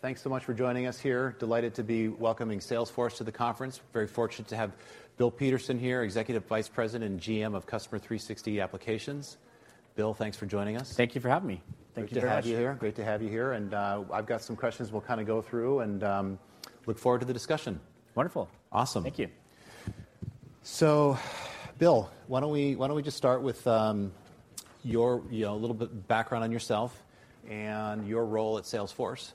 Thanks so much for joining us here. Delighted to be welcoming Salesforce to the conference. Very fortunate to have Bill Patterson here, Executive Vice President and GM of Customer 360 Applications. Bill, thanks for joining us. Thank you for having me. Thank you very much. Great to have you here. I've got some questions we'll kind of go through, and look forward to the discussion. Wonderful! Awesome. Thank you. Bill, why don't we just start with your, you know, a little bit background on yourself and your role at Salesforce?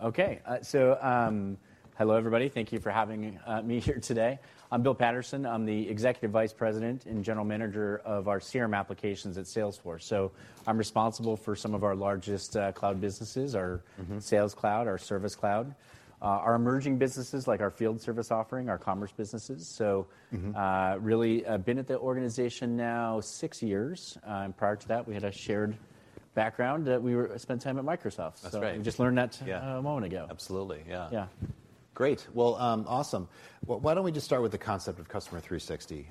Okay. so, hello, everybody. Thank you for having, me here today. I'm Bill Patterson. I'm the Executive Vice President and General Manager of our CRM Applications at Salesforce. I'm responsible for some of our largest, cloud businesses. Mm-hmm... our Sales Cloud, our Service Cloud, our emerging businesses, like our field service offering, our commerce businesses. Mm-hmm. Really, I've been at the organization now six years. Prior to that, we had a shared background, that we spent time at Microsoft. That's right. We just learned. Yeah... a moment ago. Absolutely. Yeah. Yeah. Great. Well, awesome. Well, why don't we just start with the concept of Customer 360?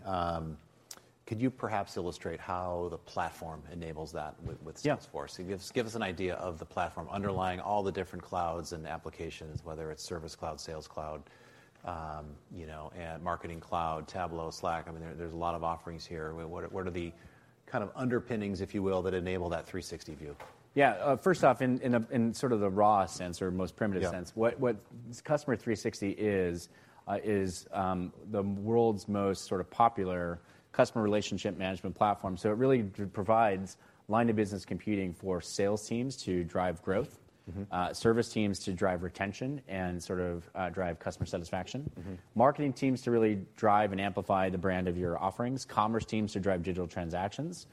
Could you perhaps illustrate how the platform enables that with Salesforce? Yeah. Give us an idea of the platform underlying all the different clouds and applications, whether it's Service Cloud, Sales Cloud, you know, and Marketing Cloud, Tableau, Slack. I mean, there's a lot of offerings here. What are the kind of underpinnings, if you will, that enable that 360 view? Yeah. First off, in sort of the raw sense or most primitive sense. Yeah... what Customer 360 is, the world's most sort of popular customer relationship management platform. It really provides line of business computing for sales teams to drive growth. Mm-hmm... service teams to drive retention and sort of, drive customer satisfaction. Mm-hmm. Marketing teams to really drive and amplify the brand of your offerings, commerce teams to drive digital transactions.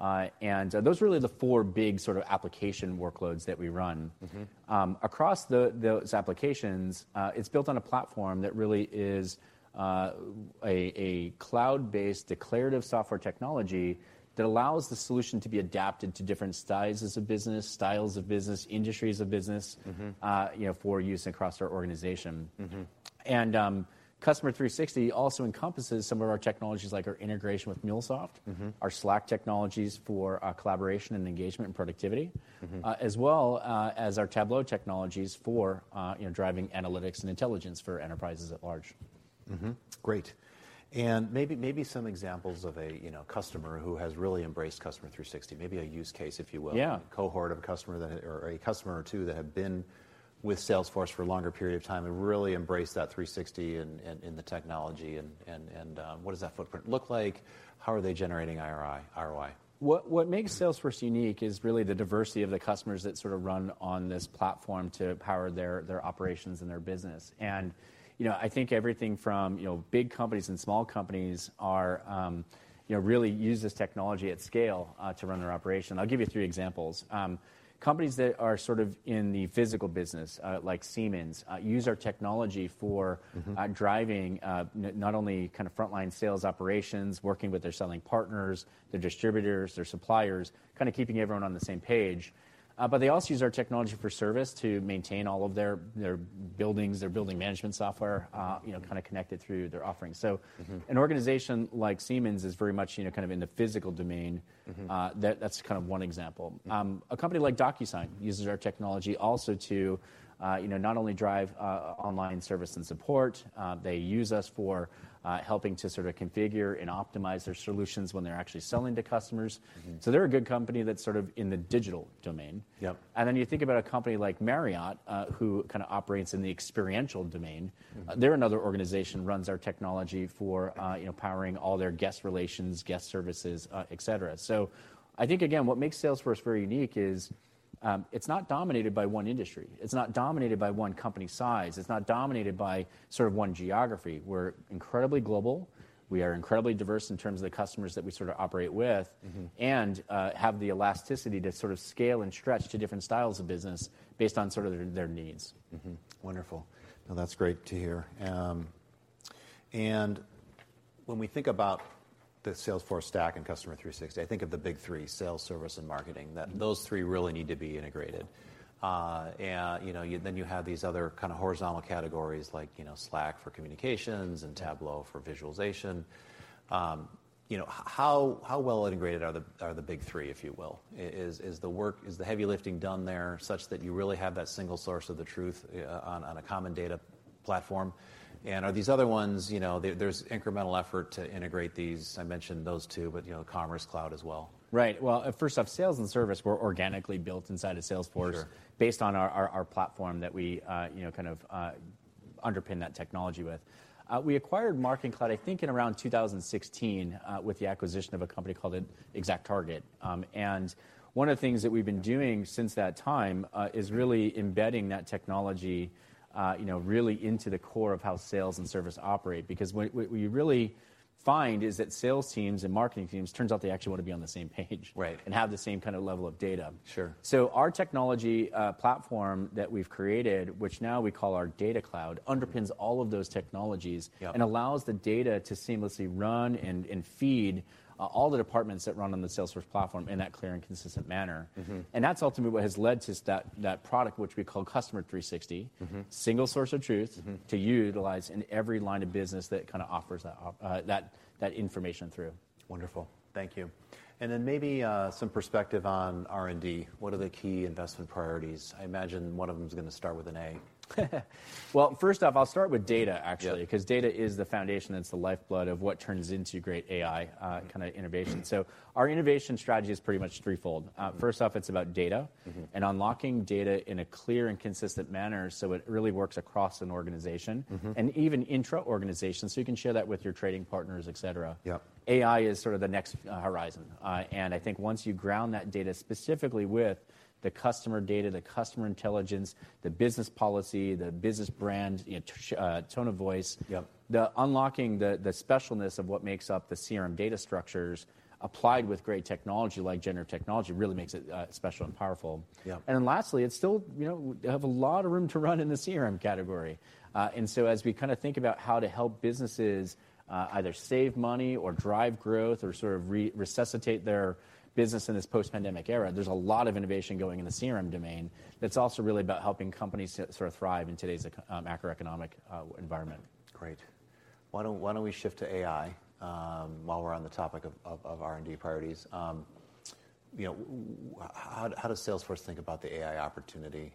Those are really the four big sort of application workloads that we run. Mm-hmm. Across those applications, it's built on a platform that really is a cloud-based, declarative software technology that allows the solution to be adapted to different sizes of business, styles of business, industries of business. Mm-hmm... you know, for use across our organization. Mm-hmm. Customer 360 also encompasses some of our technologies, like our integration with MuleSoft. Mm-hmm... our Slack technologies for collaboration and engagement and productivity. Mm-hmm... as well, as our Tableau technologies for, you know, driving analytics and intelligence for enterprises at large. Great. maybe some examples of you know, customer who has really embraced Customer 360, maybe a use case, if you will. Yeah. A cohort of a customer that, or a customer or two, that have been with Salesforce for a longer period of time and really embraced that 360 and the technology, what does that footprint look like? How are they generating ROI? What makes Salesforce unique is really the diversity of the customers that sort of run on this platform to power their operations and their business. You know, I think everything from, you know, big companies and small companies are, you know, really use this technology at scale to run their operation. I'll give you three examples. Companies that are sort of in the physical business, like Siemens, use our technology. Mm-hmm... driving, not only kind of frontline sales operations, working with their selling partners, their distributors, their suppliers, kind of keeping everyone on the same page. They also use our technology for service to maintain all of their buildings, their building management software, you know, kind of connected through their offerings. Mm-hmm. An organization like Siemens is very much, you know, kind of in the physical domain. Mm-hmm. That's kind of one example. A company like DocuSign uses our technology also to, you know, not only drive online service and support, they use us for helping to sort of configure and optimize their solutions when they're actually selling to customers. Mm-hmm. They're a good company that's sort of in the digital domain. Yes. You think about a company like Marriott, who kind of operates in the experiential domain. Mm-hmm. They're another organization, runs our technology for, you know, powering all their guest relations, guest services, et cetera. I think, again, what makes Salesforce very unique is, it's not dominated by one industry. It's not dominated by one company size. It's not dominated by sort of one geography. We're incredibly global. We are incredibly diverse in terms of the customers that we sort of operate with. Mm-hmm... and have the elasticity to sort of scale and stretch to different styles of business based on sort of their needs. Wonderful. Well, that's great to hear. When we think about the Salesforce stack and Customer 360, I think of the big three: Sales, Service, and Marketing. Mm-hmm. That those three really need to be integrated. You know, you, then you have these other kind of horizontal categories like, you know, Slack for communications and Tableau for visualization. You know, how well integrated are the big three, if you will? Is the work, is the heavy lifting done there such that you really have that single source of the truth on a common data platform? Are these other ones, you know... There's incremental effort to integrate these. I mentioned those two, but, you know, Commerce Cloud as well. Right. Well, first off, sales and service were organically built inside of Salesforce. Sure based on our platform that we, you know, kind of underpin that technology with. We acquired Marketing Cloud, I think, in around 2016, with the acquisition of a company called ExactTarget. One of the things that we've been doing since that time, is really embedding that technology, you know, really into the core of how sales and service operate. Because what we really find is that sales teams and marketing teams, turns out they actually want to be on the same page. Right. have the same kind of level of data. Sure. Our technology platform that we've created, which now we call our Data Cloud, underpins all of those technologies. Yeah... and allows the data to seamlessly run and feed all the departments that run on the Salesforce platform in that clear and consistent manner. Mm-hmm. That's ultimately what has led to that product, which we call Customer 360. Mm-hmm. Single source of truth. Mm-hmm... to utilize in every line of business that kind of offers that information through. Wonderful. Thank you. Then maybe, some perspective on R&D. What are the key investment priorities? I imagine one of them is going to start with an AI. Well, first off, I'll start with data, actually. Yeah... because data is the foundation and it's the lifeblood of what turns into great AI, kind of innovation. Mm-hmm. Our innovation strategy is pretty much threefold. First off, it's about Mm-hmm... and unlocking data in a clear and consistent manner, so it really works across an organization. Mm-hmm. Even intra-organization, so you can share that with your trading partners, et cetera. Yeah. AI is sort of the next horizon. I think once you ground that data specifically with the customer data, the customer intelligence, the business policy, the business brand, you know, tone of voice. Yeah... the unlocking the specialness of what makes up the CRM data structures, applied with great technology, like generative technology, really makes it special and powerful. Yeah. Lastly, it's still, you know, we have a lot of room to run in the CRM category. As we kind of think about how to help businesses, either save money or drive growth or sort of resuscitate their business in this post-pandemic era, there's a lot of innovation going in the CRM domain, that's also really about helping companies to sort of thrive in today's macroeconomic environment. Great. Why don't we shift to AI, while we're on the topic of R&D priorities? You know, how does Salesforce think about the AI opportunity?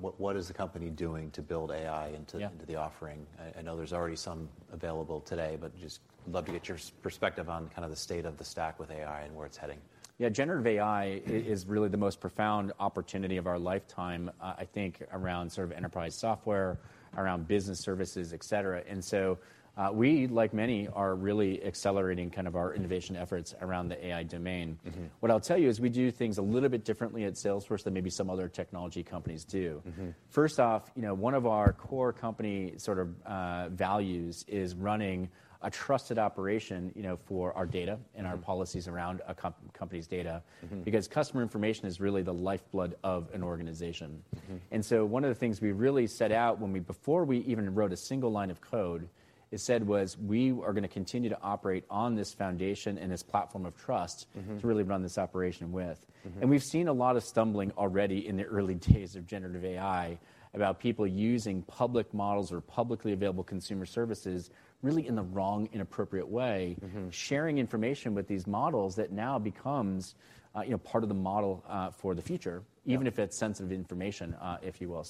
What is the company doing to build AI into- Yeah... into the offering? I know there's already some available today, but just would love to get your perspective on kind of the state of the stack with AI and where it's heading. Yeah, generative AI is really the most profound opportunity of our lifetime, I think, around sort of enterprise software, around business services, et cetera. We, like many, are really accelerating kind of our innovation efforts around the AI domain. Mm-hmm. What I'll tell you is we do things a little bit differently at Salesforce than maybe some other technology companies do. Mm-hmm. First off, you know, one of our core company sort of, values is running a trusted operation, you know, for our. Mm-hmm and our policies around a company's data. Mm-hmm. Customer information is really the lifeblood of an organization. Mm-hmm. One of the things we really set out before we even wrote a single line of code, it said was, "We are going to continue to operate on this foundation and this platform of trust-". Mm-hmm... to really run this operation with. Mm-hmm. We've seen a lot of stumbling already in the early days of generative AI, about people using public models or publicly available consumer services, really in the wrong, inappropriate way. Mm-hmm. Sharing information with these models that now becomes, you know, part of the model, for the future. Yeah... even if it's sensitive information, if you will.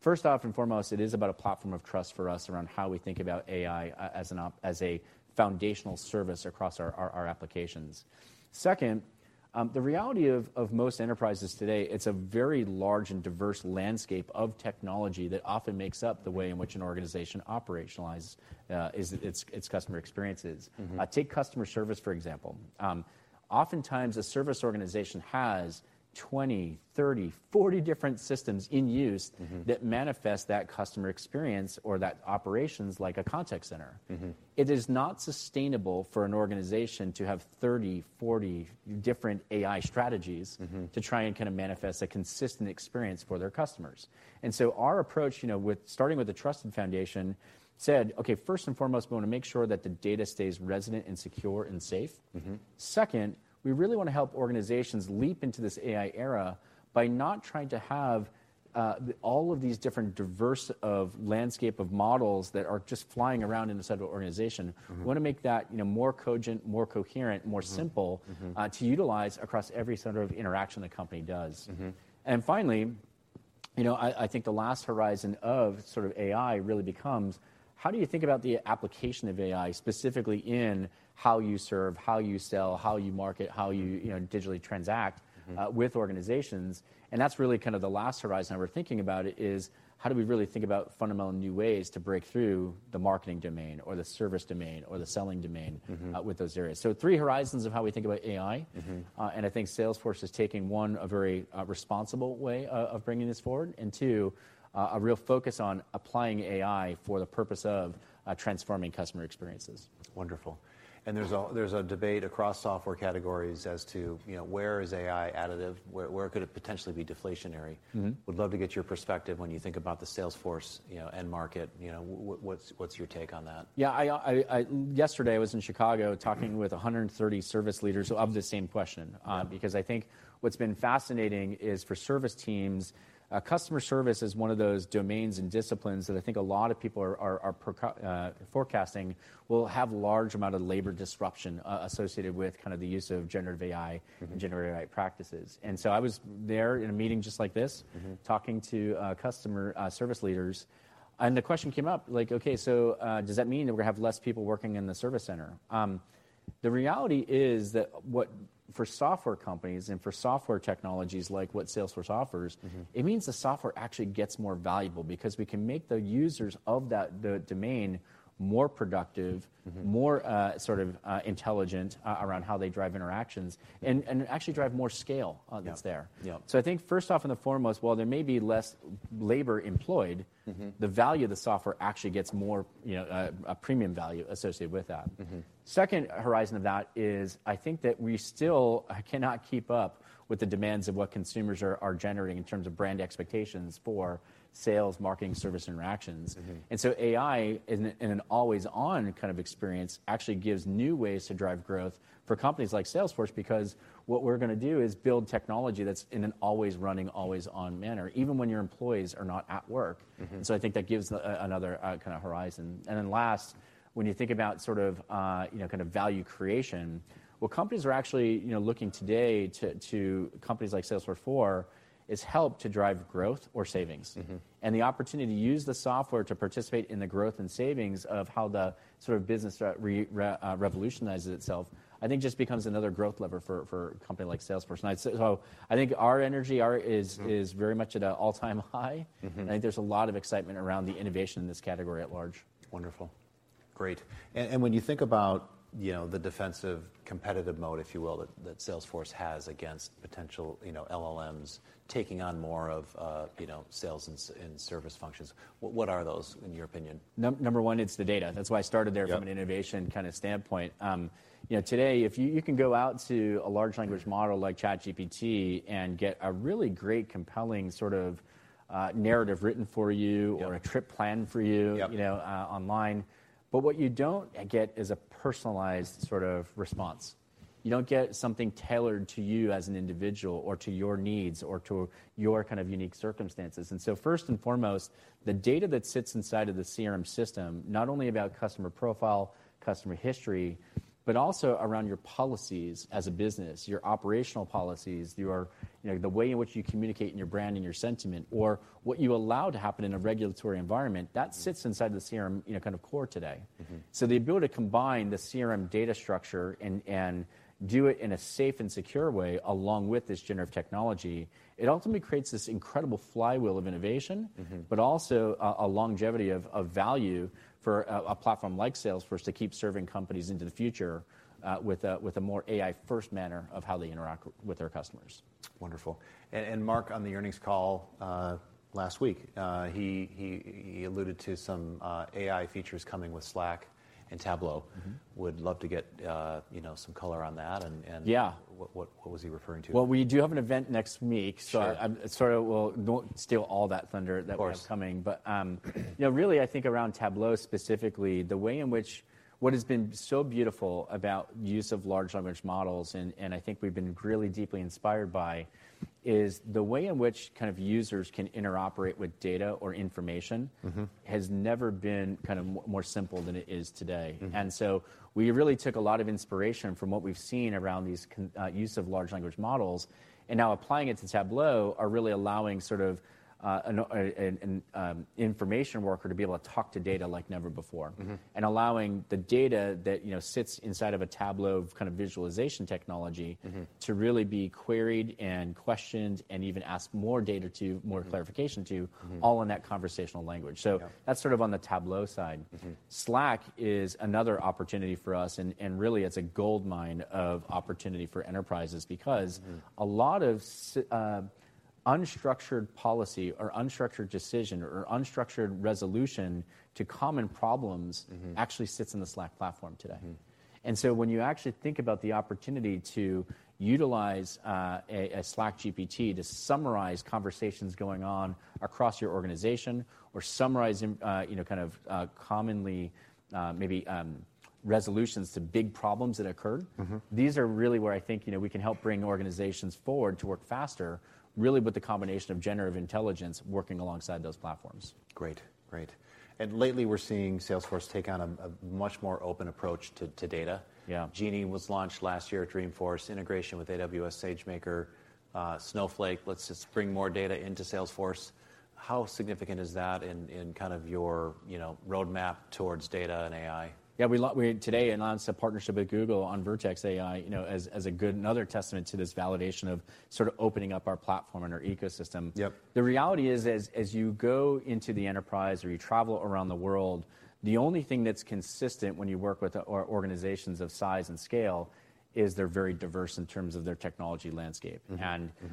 First off and foremost, it is about a platform of trust for us around how we think about AI as a foundational service across our applications. Second, the reality of most enterprises today, it's a very large and diverse landscape of technology that often makes up the way in which an organization operationalizes its customer experiences. Mm-hmm. Take customer service, for example. Oftentimes, a service organization has 20, 30, 40 different systems in use... Mm-hmm... that manifest that customer experience or that operations like a contact center. Mm-hmm. It is not sustainable for an organization to have 30, 40 different AI strategies. Mm-hmm... to try and kind of manifest a consistent experience for their customers. Our approach, you know, with starting with a trusted foundation, said, "Okay, first and foremost, we want to make sure that the data stays resident and secure and safe. Mm-hmm. Second, we really want to help organizations leap into this AI era by not trying to have, the all of these different diverse of landscape of models that are just flying around in the central organization. Mm-hmm. We want to make that, you know, more cogent, more coherent. Mm-hmm... more simple- Mm-hmm ...to utilize across every center of interaction the company does. Mm-hmm. Finally, you know, I think the last horizon of sort of AI really becomes: how do you think about the application of AI, specifically in how you serve, how you sell, how you market, how you know, digitally transact... Mm-hmm... with organizations? That's really kind of the last horizon that we're thinking about, is how do we really think about fundamental new ways to break through the marketing domain or the service domain or the selling domain. Mm-hmm... with those areas? Three horizons of how we think about AI. Mm-hmm. I think Salesforce is taking, one, a very responsible way of bringing this forward, and two, a real focus on applying AI for the purpose of transforming customer experiences. Wonderful. There's a debate across software categories as to, you know, where is AI additive? Where could it potentially be deflationary? Mm-hmm. Would love to get your perspective when you think about the Salesforce, you know, end market. You know, what's your take on that? Yeah, I Yesterday, I was in Chicago talking with 130 service leaders of the same question. Yeah. I think what's been fascinating is for service teams, customer service is one of those domains and disciplines that I think a lot of people are forecasting, will have large amount of labor disruption associated with kind of the use of generative AI. Mm-hmm... and generative AI practices. I was there in a meeting just like this. Mm-hmm... talking to customer service leaders, and the question came up, like: "Okay, so, does that mean that we're going to have less people working in the service center?" The reality is that what, for software companies and for software technologies like what Salesforce offers, Mm-hmm. It means the software actually gets more valuable because we can make the users of that, the domain more productive. Mm-hmm. more, sort of, intelligent around how they drive interactions and actually drive more scale, that's there. Yeah. Yeah. I think first off and the foremost, while there may be less labor employed. Mm-hmm. The value of the software actually gets more, you know, a premium value associated with that. Mm-hmm. Second horizon of that is, I think that we still cannot keep up with the demands of what consumers are generating in terms of brand expectations for sales, marketing, service interactions. Mm-hmm. AI in an always-on kind of experience, actually gives new ways to drive growth for companies like Salesforce, because what we're going to do is build technology that's in an always running, always on manner, even when your employees are not at work. Mm-hmm. I think that gives another kind of horizon. Last, when you think about sort of, you know, kind of value creation, what companies are actually, you know, looking today to companies like Salesforce for, is help to drive growth or savings. Mm-hmm. The opportunity to use the software to participate in the growth and savings of how the sort of business revolutionizes itself, I think just becomes another growth lever for a company like Salesforce. I'd say, I think our energy is very much at an all-time high. Mm-hmm. I think there's a lot of excitement around the innovation in this category at large. Wonderful. Great. When you think about, you know, the defensive competitive mode, if you will, that Salesforce has against potential, you know, LLMs taking on more of, you know, sales and service functions, what are those in your opinion? Number one, it's the data. That's why I started there. Yes... from an innovation kind of standpoint. you know, today if you can go out to a large language model like ChatGPT, and get a really great, compelling sort of, narrative written for you. Yes... or a trip planned for you-. Yes... you know, online, but what you don't get is a personalized sort of response. You don't get something tailored to you as an individual or to your needs, or to your kind of unique circumstances. First and foremost, the data that sits inside of the CRM system, not only about customer profile, customer history, but also around your policies as a business, your operational policies, your. You know, the way in which you communicate, and your brand, and your sentiment, or what you allow to happen in a regulatory environment. Mm that sits inside the CRM, you know, kind of core today. Mm-hmm. The ability to combine the CRM data structure and do it in a safe and secure way along with this generative technology, it ultimately creates this incredible flywheel of innovation. Mm-hmm... but also a longevity of value for a platform like Salesforce to keep serving companies into the future, with a more AI-first manner of how they interact with their customers. Wonderful. Marc, on the earnings call, last week, he alluded to some AI features coming with Slack and Tableau. Mm-hmm. Would love to get, you know, some color on that, and. Yeah... what was he referring to? Well, we do have an event next week. Sure. I'm sort of, don't steal all that thunder. Of course. that we have coming. But, you know, really, I think around Tableau specifically, the way in which what has been so beautiful about use of large language models, and I think we've been really deeply inspired by, is the way in which kind of users can interoperate with data or information. Mm-hmm... has never been kind of more simple than it is today. Mm-hmm. We really took a lot of inspiration from what we've seen around these use of large language models, and now applying it to Tableau, are really allowing sort of, an information worker to be able to talk to data like never before. Mm-hmm. allowing the data that, you know, sits inside of a Tableau kind of visualization technology Mm-hmm to really be queried and questioned, and even ask more data. Mm-hmm... more clarification. Mm-hmm all in that conversational language. Yeah. That's sort of on the Tableau side. Mm-hmm. Slack is another opportunity for us, and really, it's a goldmine of opportunity for enterprises. Mm... a lot of unstructured policy or unstructured decision or unstructured resolution to common problems- Mm-hmm actually sits in the Slack platform today. Mm-hmm. When you actually think about the opportunity to utilize a Slack GPT to summarize conversations going on across your organization, or summarize, you know, kind of commonly, maybe resolutions to big problems that occurred... Mm-hmm these are really where I think, you know, we can help bring organizations forward to work faster, really with the combination of generative intelligence working alongside those platforms. Great. Lately, we're seeing Salesforce take on a much more open approach to data. Yeah. Genie was launched last year at Dreamforce, integration with AWS, SageMaker, Snowflake. Let's just bring more data into Salesforce. How significant is that in kind of your, you know, roadmap towards data and AI? Yeah, we today announced a partnership with Google on Vertex AI, you know, as a good another testament to this validation of sort of opening up our platform and our ecosystem. Yes. The reality is, as you go into the enterprise or you travel around the world, the only thing that's consistent when you work with organizations of size and scale, is they're very diverse in terms of their technology landscape. Mm-hmm.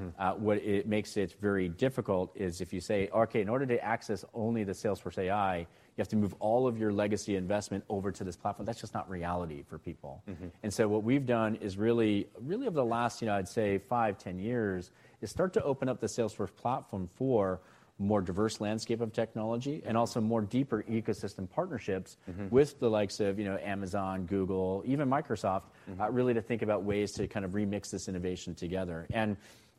Mm-hmm. What it makes it very difficult is if you say, "Okay, in order to access only the Salesforce AI, you have to move all of your legacy investment over to this platform," that's just not reality for people. Mm-hmm. What we've done is really, really over the last, you know, I'd say five, 10 years, is start to open up the Salesforce platform for more diverse landscape of technology... Mm-hmm. also more deeper ecosystem partnerships. Mm-hmm... with the likes of, you know, Amazon, Google, even Microsoft. Mm-hmm really to think about ways to kind of remix this innovation together.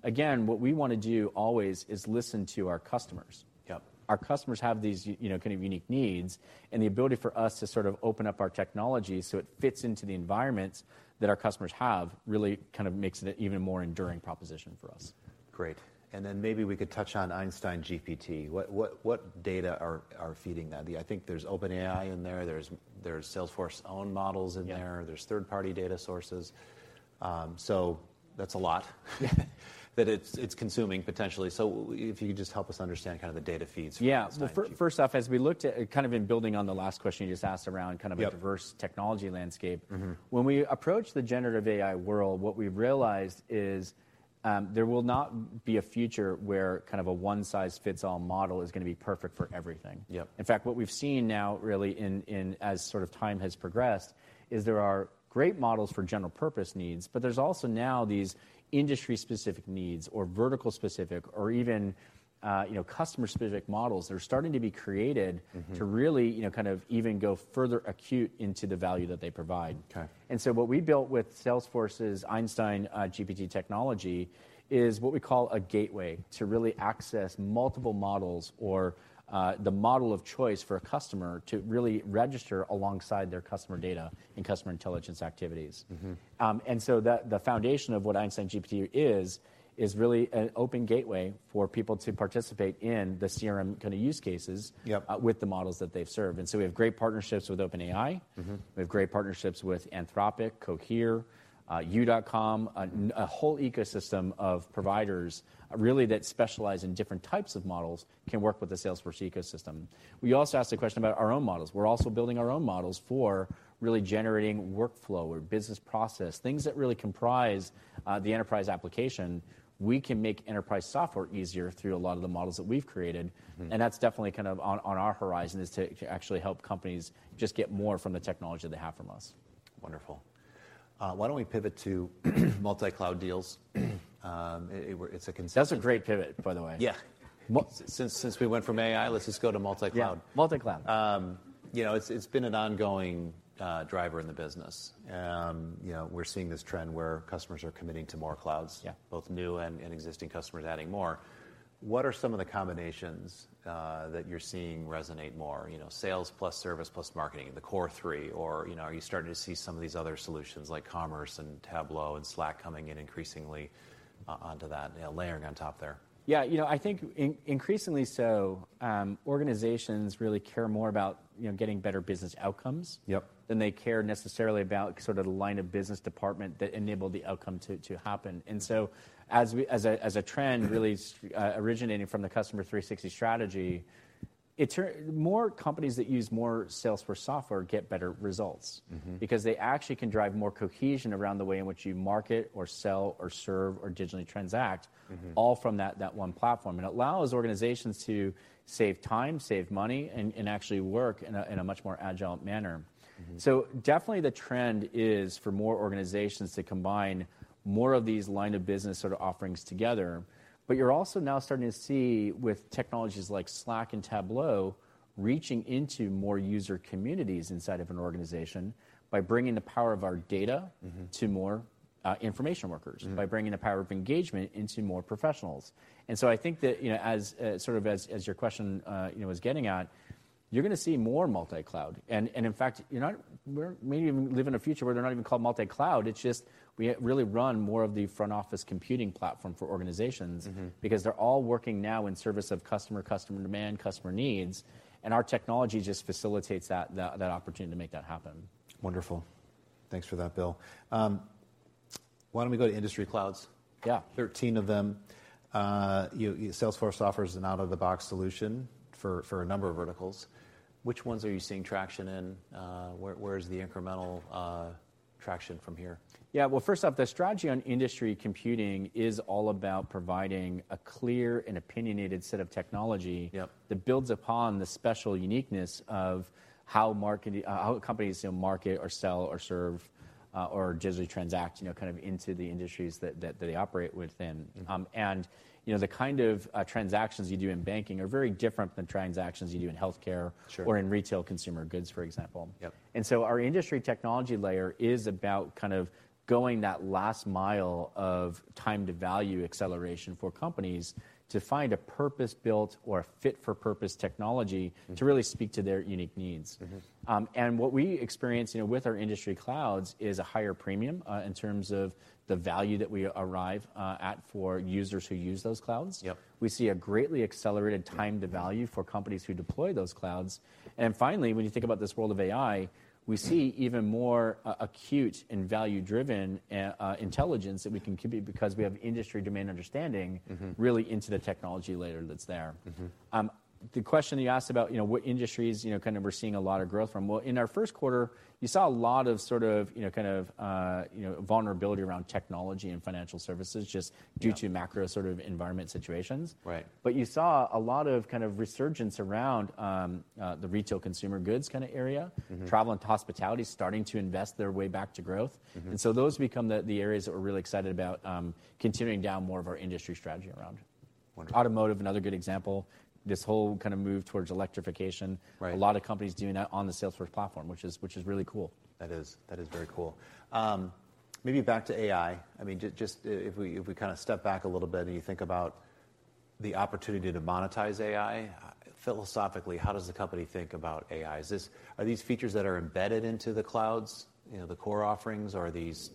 Again, what we want to do always is listen to our customers. Yes. Our customers have these you know, kind of unique needs, and the ability for us to sort of open up our technology so it fits into the environments that our customers have, really kind of makes it an even more enduring proposition for us. Great. Then maybe we could touch on Einstein GPT. What data are feeding that? I think there's OpenAI in there's Salesforce's own models in there. Yeah. There's third-party data sources. That's a lot that it's consuming potentially. If you could just help us understand kind of the data feeds for Einstein GPT? Yeah. Well, first off, as we looked at, kind of in building on the last question you just asked around. Yes... a diverse technology landscape. Mm-hmm. When we approached the generative AI world, what we've realized is, there will not be a future where kind of a one-size-fits-all model is going to be perfect for everything. Yes. In fact, what we've seen now really in as sort of time has progressed, is there are great models for general purpose needs, but there's also now these industry-specific needs or vertical specific or even, you know, customer-specific models that are starting to be created. Mm-hmm to really, you know, kind of even go further acute into the value that they provide. Okay. What we built with Salesforce's Einstein GPT technology, is what we call a gateway to really access multiple models or, the model of choice for a customer to really register alongside their customer data and customer intelligence activities. Mm-hmm. The foundation of what Einstein GPT is really an open gateway for people to participate in the CRM kind of use cases. Yes... with the models that they serve. We have great partnerships with OpenAI. Mm-hmm. We have great partnerships with Anthropic, Cohere, You.com, a whole ecosystem of providers really, that specialize in different types of models, can work with the Salesforce ecosystem. We also asked a question about our own models. We're also building our own models for really generating workflow or business process, things that really comprise the enterprise application. We can make enterprise software easier through a lot of the models that we've created. Mm-hmm. That's definitely kind of on our horizon, is to actually help companies just get more from the technology they have from us. Wonderful. Why don't we pivot to multi-cloud deals? It's a consistent- That's a great pivot, by the way. Yeah. Well- Since we went from AI, let's just go to multi-cloud. Yeah, multi-cloud. You know, it's been an ongoing driver in the business. You know, we're seeing this trend where customers are committing to more clouds. Yeah... both new and existing customers adding more. What are some of the combinations that you're seeing resonate more? You know, sales plus service, plus marketing, the core three, or, you know, are you starting to see some of these other solutions like Commerce and Tableau and Slack coming in increasingly onto that, you know, layering on top there? Yeah, you know, I think increasingly so, organizations really care more about, you know, getting better business outcomes... Yes than they care necessarily about sort of the line of business department that enabled the outcome to happen. Mm-hmm. as a trend. Mm-hmm... really, originating from the Customer 360 strategy, more companies that use more Salesforce software get better results. Mm-hmm. They actually can drive more cohesion around the way in which you market or sell or serve or digitally transact. Mm-hmm... all from that one platform. It allows organizations to save time, save money, and actually work in a much more agile manner. Mm-hmm. Definitely the trend is for more organizations to combine more of these line of business sort of offerings together. You're also now starting to see with technologies like Slack and Tableau, reaching into more user communities inside of an organization by bringing the power of our data- Mm-hmm... to more, information workers. Mm-hmm. By bringing the power of engagement into more professionals. I think that, you know, as, sort of as your question, you know, was getting at, you're going to see more multi-cloud. In fact, we're maybe even live in a future where they're not even called multi-cloud, it's just we really run more of the front office computing platform for organizations. Mm-hmm... because they're all working now in service of customer demand, customer needs, and our technology just facilitates that opportunity to make that happen. Wonderful. Thanks for that, Bill. Why don't we go to industry clouds? Yeah. 13 of them. You, Salesforce offers an out-of-the-box solution for a number of verticals. Which ones are you seeing traction in? Where is the incremental traction from here? Yeah. Well, first off, the strategy on industry computing is all about providing a clear and opinionated set of technology. Yes that builds upon the special uniqueness of how marketing, how companies you know, market or sell or serve, or digitally transact, you know, kind of into the industries that they operate within. Mm-hmm. You know, the kind of, transactions you do in banking are very different than transactions you do in healthcare. Sure... or in retail consumer goods, for example. Yes. Our industry technology layer is about kind of going that last mile of time to value acceleration for companies to find a purpose-built or a fit-for-purpose technology. Mm-hmm... to really speak to their unique needs. Mm-hmm. What we experience, you know, with our industry clouds, is a higher premium, in terms of the value that we arrive at, for users who use those clouds. Yes. We see a greatly accelerated time to value. Yes... for companies who deploy those clouds. Finally, when you think about this world of AI, we see even more acute and value-driven intelligence that we can compute because we have industry domain understanding- Mm-hmm really into the technology layer that's there. Mm-hmm. ... the question that you asked about, you know, what industries, you know, kind of we're seeing a lot of growth from. Well, in our first quarter, you saw a lot of sort of, you know, kind of, you know, vulnerability around technology and financial services. Yeah due to macro sort of environment situations. Right. You saw a lot of kind of resurgence around, the retail consumer goods kind of area. Mm-hmm. Travel and hospitality starting to invest their way back to growth. Mm-hmm. Those become the areas that we're really excited about, continuing down more of our industry strategy around. Wonderful. Automotive, another good example, this whole kind of move towards electrification. Right. A lot of companies doing that on the Salesforce platform, which is really cool. That is very cool. Maybe back to AI. I mean, just if we kind of step back a little bit and you think about the opportunity to monetize AI, philosophically, how does the company think about AI? Are these features that are embedded into the clouds, you know, the core offerings? Are these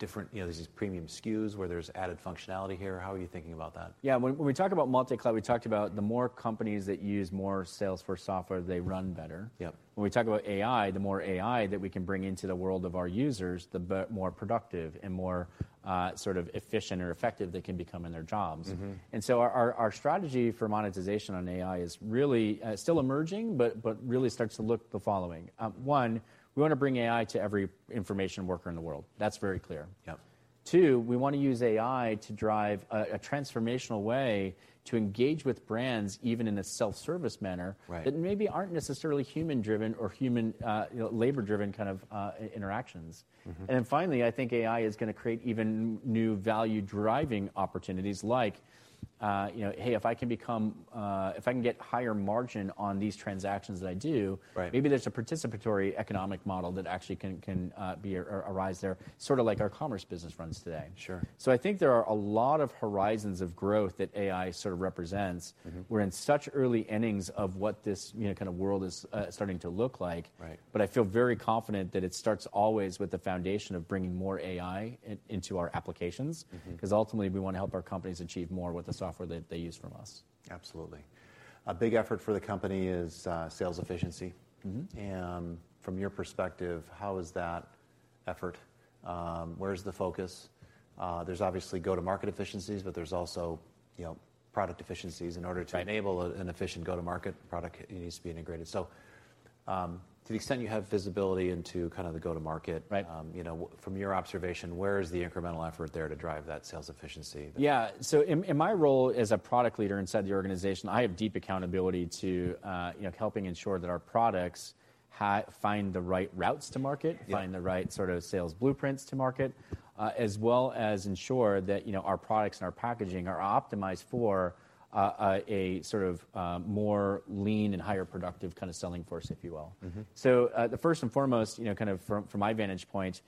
different, you know, these premium SKUs where there's added functionality here? How are you thinking about that? Yeah. When we talk about multi-cloud, we talked about the more companies that use more Salesforce software, they run better. Yes. When we talk about AI, the more AI that we can bring into the world of our users, the more productive and more sort of efficient or effective they can become in their jobs. Mm-hmm. Our strategy for monetization on AI is really still emerging, but really starts to look the following: one, we want to bring AI to every information worker in the world. That's very clear. Yes. Two, we want to use AI to drive a transformational way to engage with brands, even in a self-service manner. Right... that maybe aren't necessarily human driven or human, you know, labor driven kind of, interactions. Mm-hmm. Finally, I think AI is going to create even new value-driving opportunities, like, you know, hey, if I can become, if I can get higher margin on these transactions that I do- Right maybe there's a participatory economic model that actually can be or arise there, sort of like our commerce business runs today. Sure. I think there are a lot of horizons of growth that AI sort of represents. Mm-hmm. We're in such early innings of what this, you know, kind of world is starting to look like. Right. I feel very confident that it starts always with the foundation of bringing more AI into our applications. Mm-hmm. Ultimately, we want to help our companies achieve more with the software that they use from us. Absolutely. A big effort for the company is sales efficiency. Mm-hmm. From your perspective, how is that effort? Where is the focus? There's obviously go-to-market efficiencies, but there's also, you know, product efficiencies. Right. In order to enable an efficient go-to-market product, it needs to be integrated. To the extent you have visibility into kind of the go-to-market. Right... you know, from your observation, where is the incremental effort there to drive that sales efficiency? Yeah. In, in my role as a product leader inside the organization, I have deep accountability to, you know, helping ensure that our products find the right routes to market. Yeah... find the right sort of sales blueprints to market, as well as ensure that, you know, our products and our packaging are optimized for a sort of more lean and higher productive kind of selling force, if you will. Mm-hmm. The first and foremost, you know, kind of from my vantage point,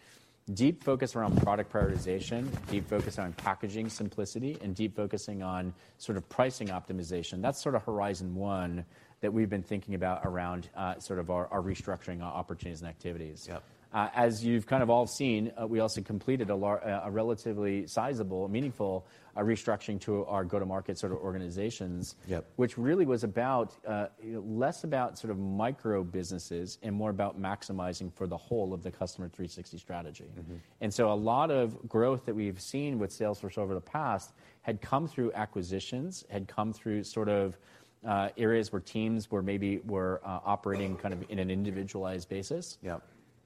deep focus around product prioritization, deep focus on packaging simplicity, and deep focusing on sort of pricing optimization. That's sort of horizon one that we've been thinking about around sort of our restructuring opportunities and activities. Yes. As you've kind of all seen, we also completed a relatively sizable and meaningful restructuring to our go-to-market sort of organizations. Yes... which really was about less about sort of micro businesses and more about maximizing for the whole of the Customer 360 strategy. Mm-hmm. A lot of growth that we've seen with Salesforce over the past had come through acquisitions, had come through sort of, areas where teams were maybe operating kind of in an individualized basis. Yes.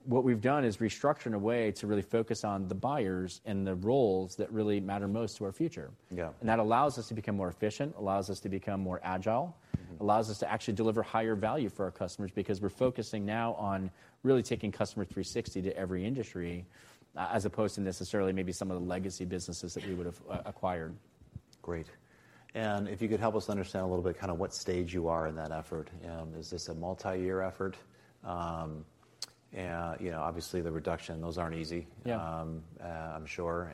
What we've done is restructure in a way to really focus on the buyers and the roles that really matter most to our future. Yeah. That allows us to become more efficient, allows us to become more agile. Mm-hmm... allows us to actually deliver higher value for our customers, because we're focusing now on really taking Customer 360 to every industry, as opposed to necessarily maybe some of the legacy businesses that we would have acquired. Great. If you could help us understand a little bit kind of what stage you are in that effort, and is this a multi-year effort? You know, obviously, the reduction, those aren't easy. Yeah. I'm sure,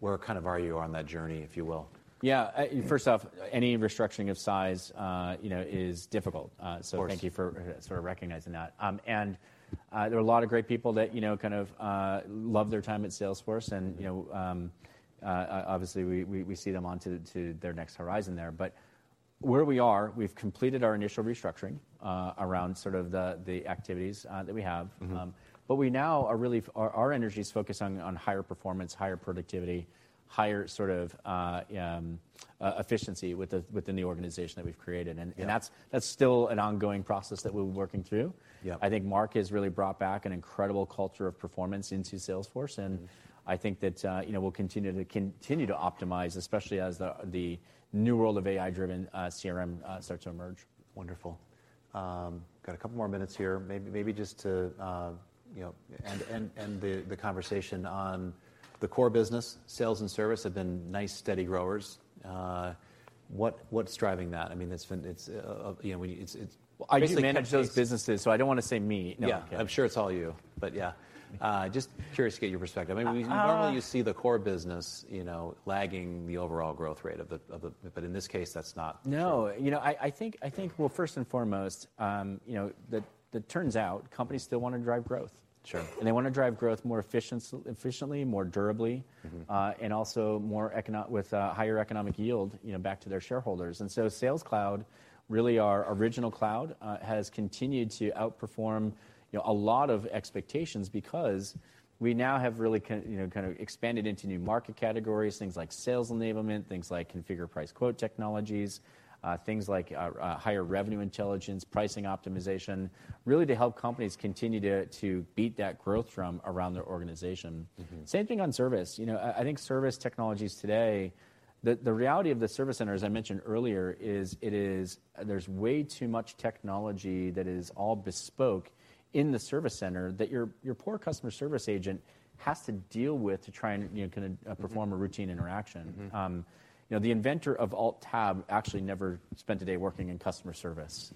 where kind of are you on that journey, if you will? Yeah. first off, any restructuring of size, you know, is difficult. Of course. Thank you for sort of recognizing that. There are a lot of great people that, you know, kind of, loved their time at Salesforce. Yeah. You know, obviously, we see them on to their next horizon there. Where we are, we've completed our initial restructuring, around sort of the activities, that we have. Mm-hmm. We now are really... our energy is focused on higher performance, higher productivity, higher sort of efficiency within the organization that we've created. Yeah. That's still an ongoing process that we're working through. Yeah. I think Marc has really brought back an incredible culture of performance into Salesforce, and I think that, you know, we'll continue to optimize, especially as the new world of AI-driven CRM starts to emerge. Wonderful. Got a couple more minutes here. Maybe just to, you know, end the conversation on the core business, sales and service have been nice, steady growers. What's driving that? I mean, it's been, it's, you know, it's. I basically manage those businesses. I don't want to say me. Yeah, I'm sure it's all you. Yeah, just curious to get your perspective. Uh- I mean, normally you see the core business, you know, lagging the overall growth rate of the... In this case, that's not the true. No. You know, I think, well, first and foremost, you know, the, it turns out companies still want to drive growth. Sure. They want to drive growth more efficiently, more durably... Mm-hmm... and also more with higher economic yield, you know, back to their shareholders. Sales Cloud, really our original cloud, has continued to outperform, you know, a lot of expectations because we now have really, you know, kind of expanded into new market categories, things like sales enablement, things like Configure, Price, Quote technologies, things like higher revenue intelligence, pricing optimization, really to help companies continue to beat that growth from around their organization. Mm-hmm. Same thing on service. You know, I think service technologies today, the reality of the service center, as I mentioned earlier, is there's way too much technology that is all bespoke in the service center, that your poor customer service agent has to deal with to try and, you know, kind of, perform a routine interaction. Mm-hmm. You know, the inventor of Alt Tab actually never spent a day working in customer service,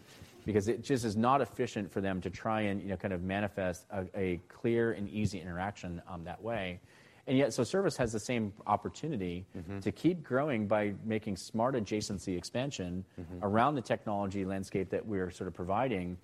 because it just is not efficient for them to try and, you know, kind of manifest a clear and easy interaction that way. Yet, service has the same opportunity. Mm-hmm... to keep growing by making smart adjacency expansion. Mm-hmm... around the technology landscape that we're sort of providing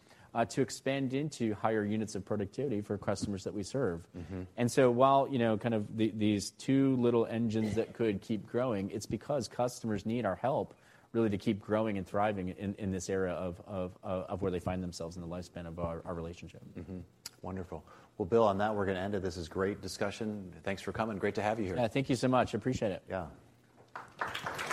to expand into higher units of productivity for customers that we serve. Mm-hmm. While, you know, kind of the, these two little engines that could keep growing, it's because customers need our help really to keep growing and thriving in this era of where they find themselves in the lifespan of our relationship. Wonderful. Bill, on that, we're going to end it. This is great discussion. Thanks for coming. Great to have you here. Yeah, thank you so much. Appreciate it. Yeah. I'm good? Thank you.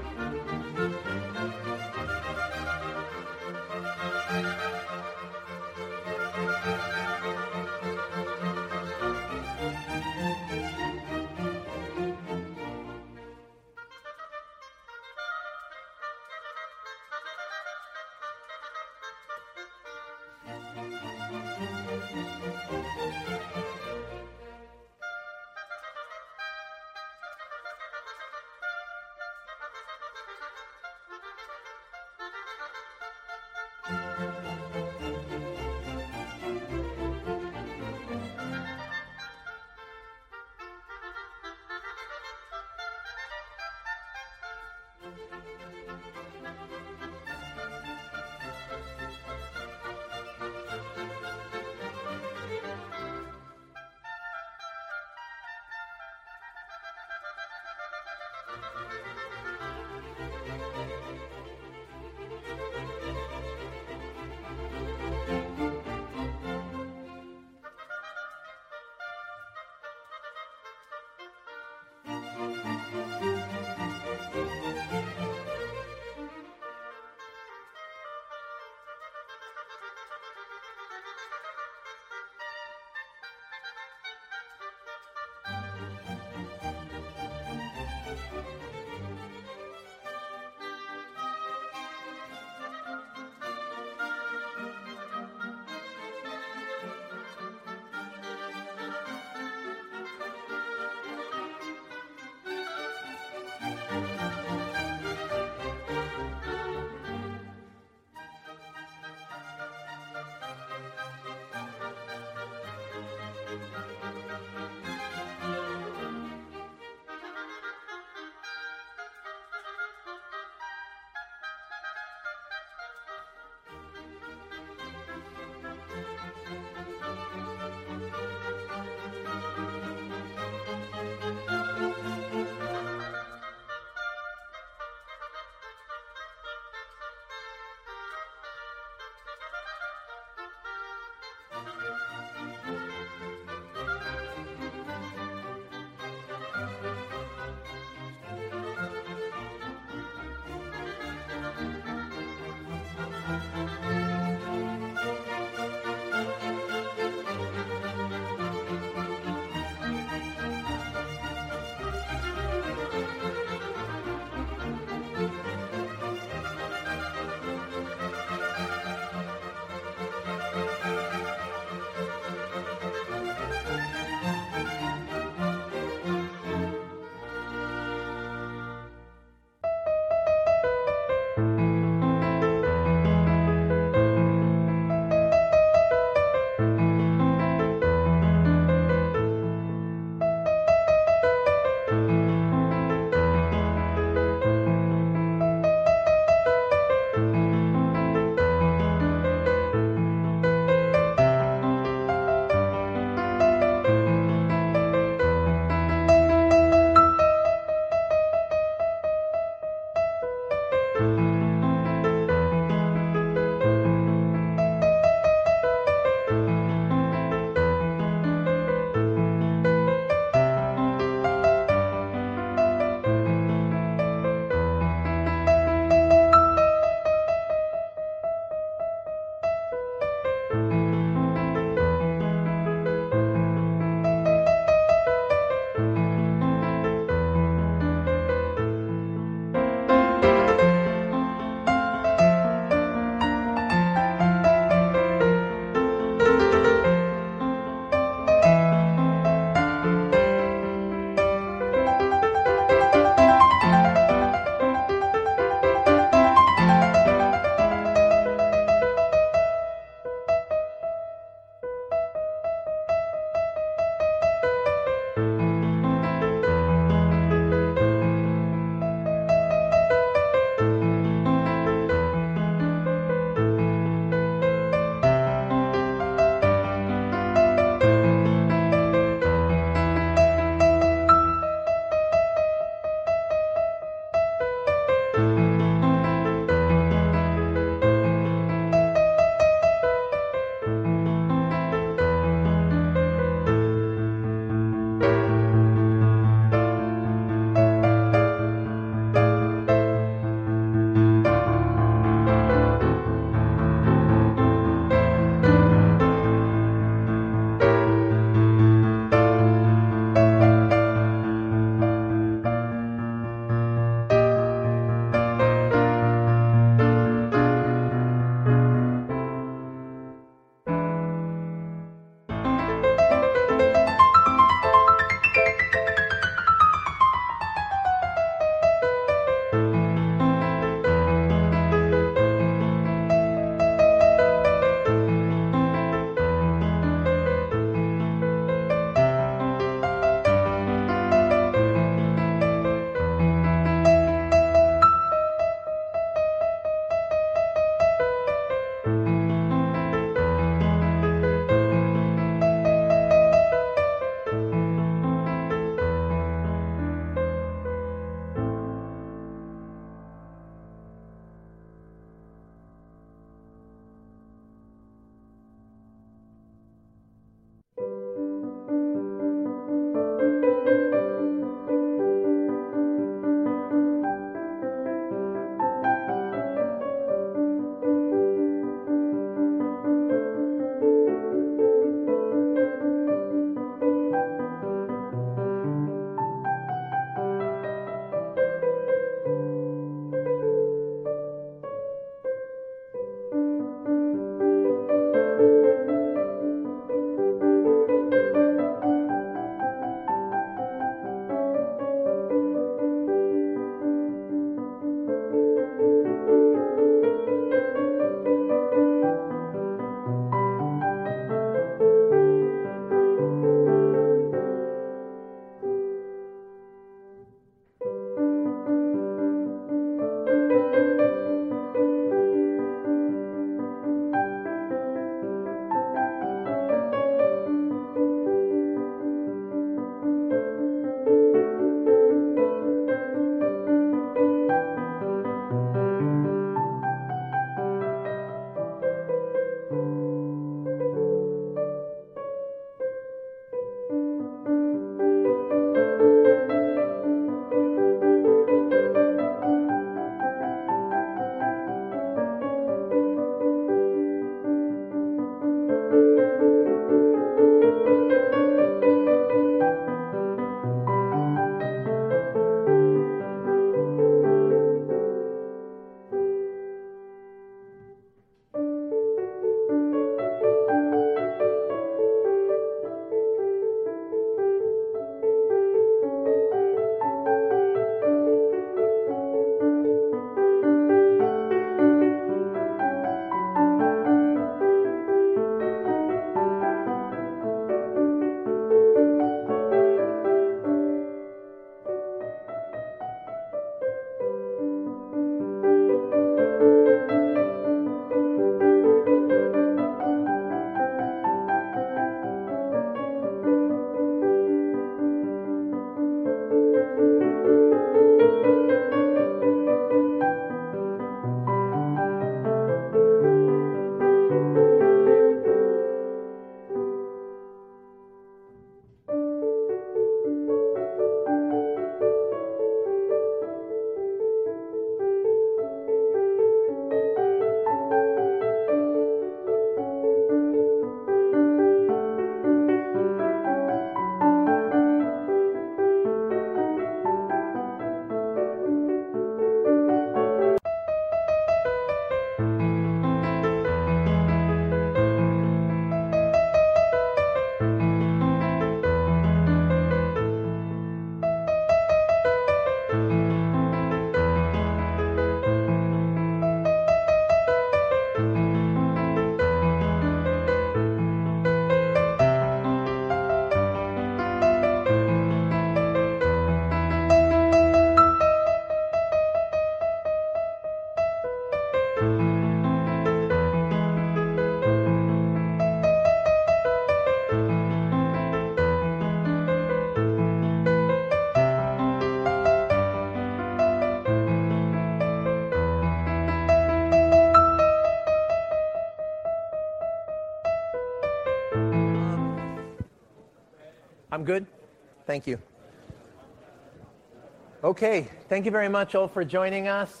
Okay, thank you very much all for joining us.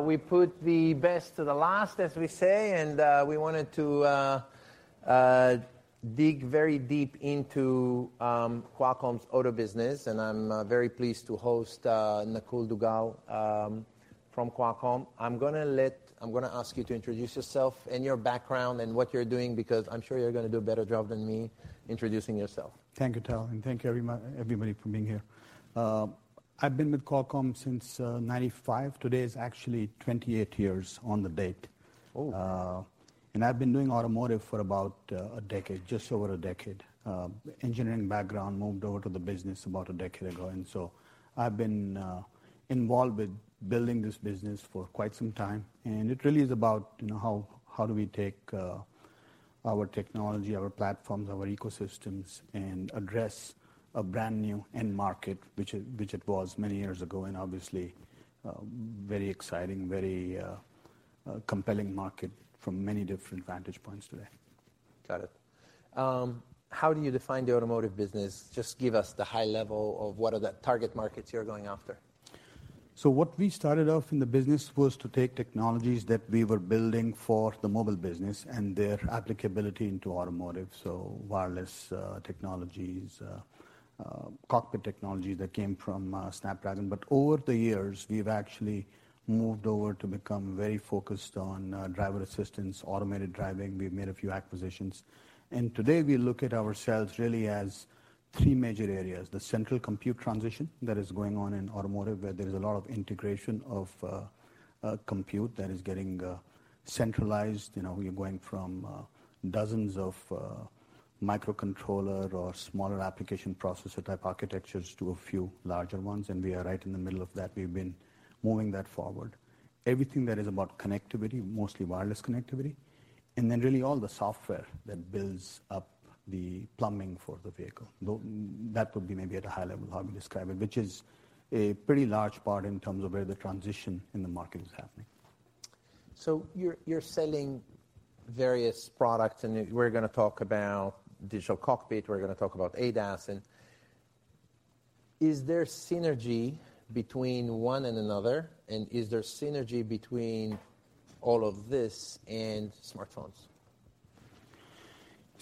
We put the best to the last, as we say. We wanted to dig very deep into Qualcomm's auto business. I'm very pleased to host Nakul Duggal from Qualcomm. I'm going to ask you to introduce yourself and your background and what you're doing, because I'm sure you're going to do a better job than me introducing yourself. Thank you, Tal, and thank everybody for being here. I've been with Qualcomm since 1995. Today is actually 28 years on the date. Oh! I've been doing automotive for about a decade, just over a decade. Engineering background, moved over to the business about a decade ago, I've been involved with building this business for quite some time. It really is about, you know, how do we take our technology, our platforms, our ecosystems, and address a brand-new end market, which it was many years ago, and obviously a very exciting, very compelling market from many different vantage points today. Got it. How do you define the automotive business? Just give us the high level of what are the target markets you're going after. What we started off in the business was to take technologies that we were building for the mobile business and their applicability into automotive, so wireless technologies, cockpit technology that came from Snapdragon. Over the years, we've actually moved over to become very focused on driver assistance, automated driving. We've made a few acquisitions. Today we look at ourselves really as three major areas: the central compute transition that is going on in automotive, where there is a lot of integration of compute that is getting centralized. You know, we are going from dozens of microcontroller or smaller application processor type architectures to a few larger ones. We are right in the middle of that. We've been moving that forward. Everything that is about connectivity, mostly wireless connectivity, and then really all the software that builds up the plumbing for the vehicle. That would be maybe at a high level, how we describe it, which is a pretty large part in terms of where the transition in the market is happening. You're selling various products, and we're going to talk about digital cockpit, we're going to talk about ADAS. Is there synergy between one and another, and is there synergy between all of this and smartphones?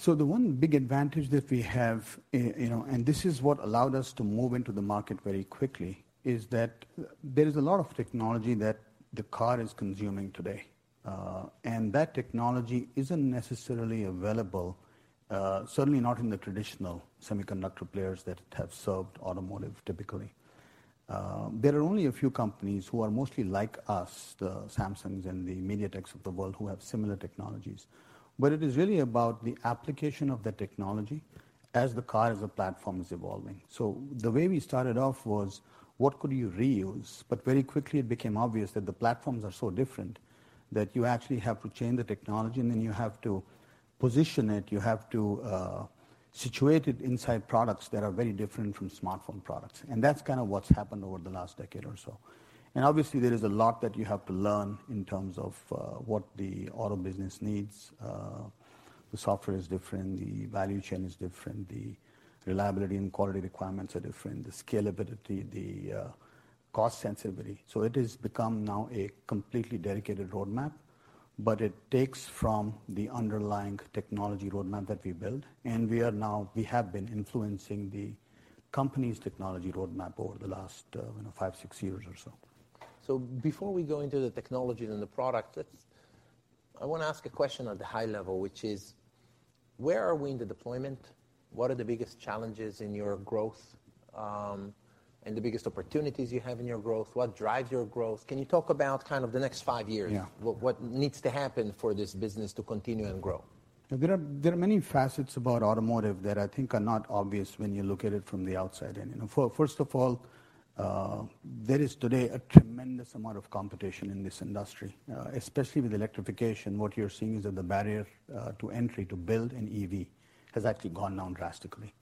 The one big advantage that we have, you know, this is what allowed us to move into the market very quickly, is that there is a lot of technology that the car is consuming today. That technology isn't necessarily available, certainly not in the traditional semiconductor players that have served automotive typically. There are only a few companies who are mostly like us, the Samsungs and the MediaTek of the world, who have similar technologies. It is really about the application of the technology as the car, as the platform, is evolving. The way we started off was, what could you reuse? Very quickly, it became obvious that the platforms are so different that you actually have to change the technology, and then you have to position it. You have to situate it inside products that are very different from smartphone products. That's kind of what's happened over the last decade or so. Obviously, there is a lot that you have to learn in terms of what the auto business needs. The software is different, the value chain is different, the reliability and quality requirements are different, the scalability, the cost sensibility. It has become now a completely dedicated roadmap, but it takes from the underlying technology roadmap that we built, and we have been influencing the company's technology roadmap over the last, you know, five, six years or so. Before we go into the technology and the product, I want to ask a question at the high level, which is: Where are we in the deployment? What are the biggest challenges in your growth, and the biggest opportunities you have in your growth? What drives your growth? Can you talk about kind of the next five years? Yeah. What needs to happen for this business to continue and grow? There are many facets about automotive that I think are not obvious when you look at it from the outside in. You know, first of all, there is today a tremendous amount of competition in this industry. Especially with electrification, what you're seeing is that the barrier to entry to build an EV has actually gone down drastically.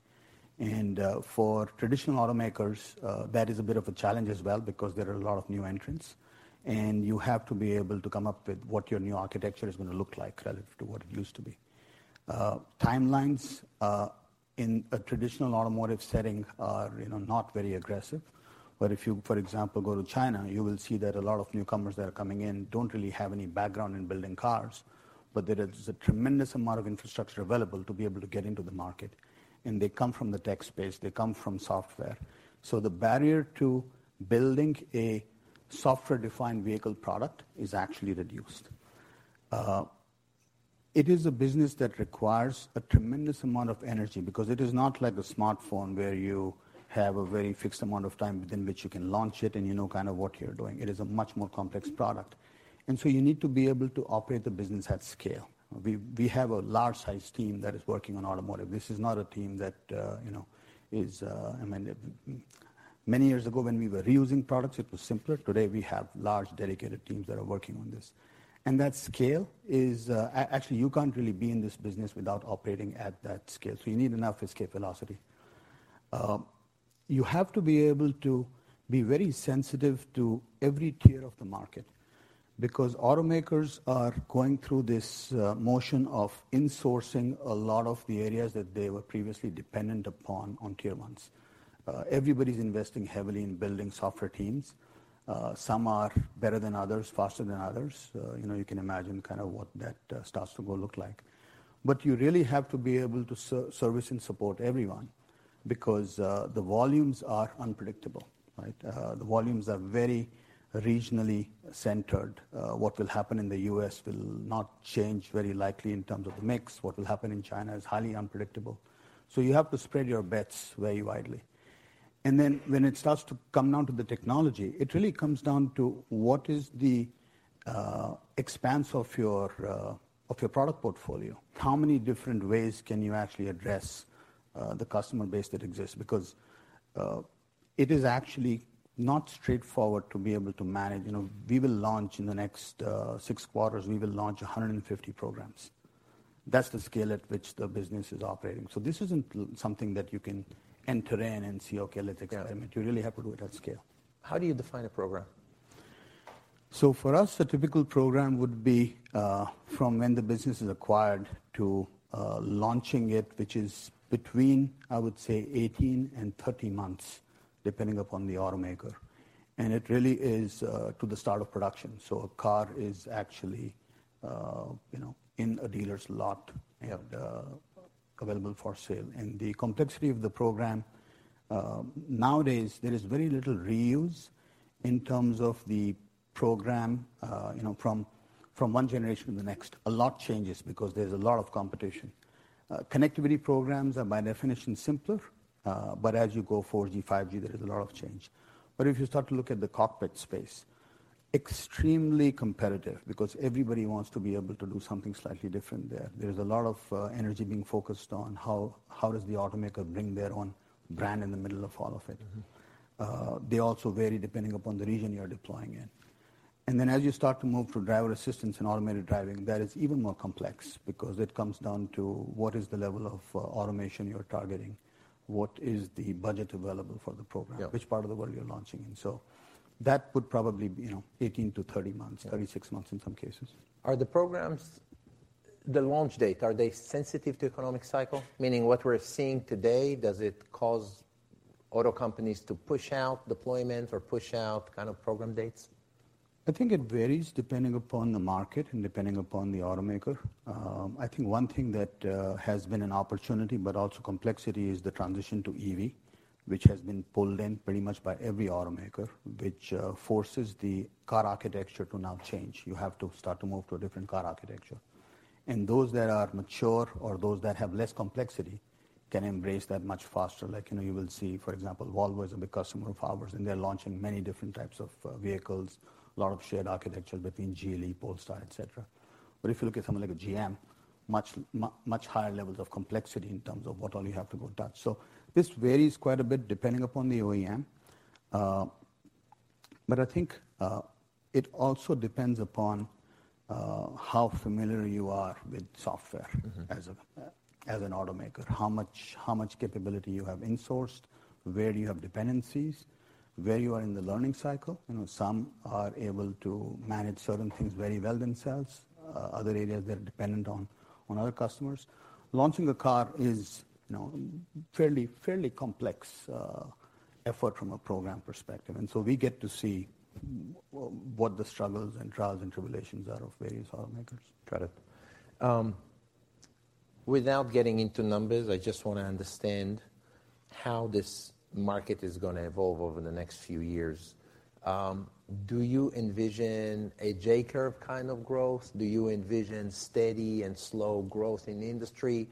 For traditional automakers, that is a bit of a challenge as well because there are a lot of new entrants, and you have to be able to come up with what your new architecture is going to look like relative to what it used to be. Timelines in a traditional automotive setting are, you know, not very aggressive. But if you, for example, go to China, you will see that a lot of newcomers that are coming in don't really have any background in building cars, but there is a tremendous amount of infrastructure available to be able to get into the market, and they come from the tech space, they come from software. The barrier to building a software-defined vehicle product is actually reduced. It is a business that requires a tremendous amount of energy because it is not like a smartphone, where you have a very fixed amount of time within which you can launch it, and you know kind of what you're doing. It is a much more complex product, you need to be able to operate the business at scale. We have a large-sized team that is working on automotive. This is not a team that, you know, is, I mean, many years ago when we were reusing products, it was simpler. Today, we have large, dedicated teams that are working on this. That scale is actually, you can't really be in this business without operating at that scale. You need enough escape velocity. You have to be able to be very sensitive to every tier of the market, because automakers are going through this motion of insourcing a lot of the areas that they were previously dependent upon on Tier 1s. Everybody's investing heavily in building software teams. Some are better than others, faster than others. You know, you can imagine kind of what that starts to go look like. You really have to be able to service and support everyone because the volumes are unpredictable, right? The volumes are very regionally centered. What will happen in the US will not change very likely in terms of the mix. What will happen in China is highly unpredictable. You have to spread your bets very widely. When it starts to come down to the technology, it really comes down to: What is the expanse of your product portfolio? How many different ways can you actually address the customer base that exists? It is actually not straightforward to be able to manage. You know, we will launch, in the next six quarters, we will launch 150 programs. That's the scale at which the business is operating. This isn't something that you can enter in and say, "Okay, let's experiment. Yeah. You really have to do it at scale. How do you define a program? For us, a typical program would be from when the business is acquired to launching it, which is between, I would say, 18 and 30 months, depending upon the automaker. It really is to the start of production. A car is actually, you know, in a dealer's lot, they have available for sale. The complexity of the program, nowadays, there is very little reuse in terms of the program, you know, from one generation to the next. A lot changes because there's a lot of competition. Connectivity programs are, by definition, simpler, but as you go 4G, 5G, there is a lot of change. If you start to look at the cockpit space, extremely competitive because everybody wants to be able to do something slightly different there. There's a lot of energy being focused on how does the automaker bring their own brand in the middle of all of it? Mm-hmm. They also vary depending upon the region you're deploying in. As you start to move to driver assistance and automated driving, that is even more complex because it comes down to: What is the level of automation you're targeting? What is the budget available for the program? Yeah. Which part of the world you're launching in? That would probably be, you know, 18-30 months. Yeah. 36 months in some cases. The launch date, are they sensitive to economic cycle? Meaning, what we're seeing today, does it cause auto companies to push out deployment or push out kind of program dates? I think it varies depending upon the market and depending upon the automaker. I think one thing that has been an opportunity but also complexity is the transition to EV, which has been pulled in pretty much by every automaker, which forces the car architecture to now change. You have to start to move to a different car architecture, and those that are mature or those that have less complexity can embrace that much faster. Like, you know, you will see, for example, Volvo is a customer of ours, and they're launching many different types of vehicles, a lot of shared architecture between Geely, Polestar, et cetera. If you look at someone like a GM, much higher levels of complexity in terms of what all you have to go touch. This varies quite a bit depending upon the OEM. I think it also depends upon how familiar you are with software- Mm-hmm as an automaker, how much capability you have insourced, where you have dependencies, where you are in the learning cycle. You know, some are able to manage certain things very well themselves, other areas, they're dependent on other customers. Launching a car is, you know, fairly complex effort from a program perspective. We get to see what the struggles and trials and tribulations are of various automakers. Try to. Without getting into numbers, I just want to understand how this market is going to evolve over the next few years. Do you envision a J-curve kind of growth? Do you envision steady and slow growth in the industry?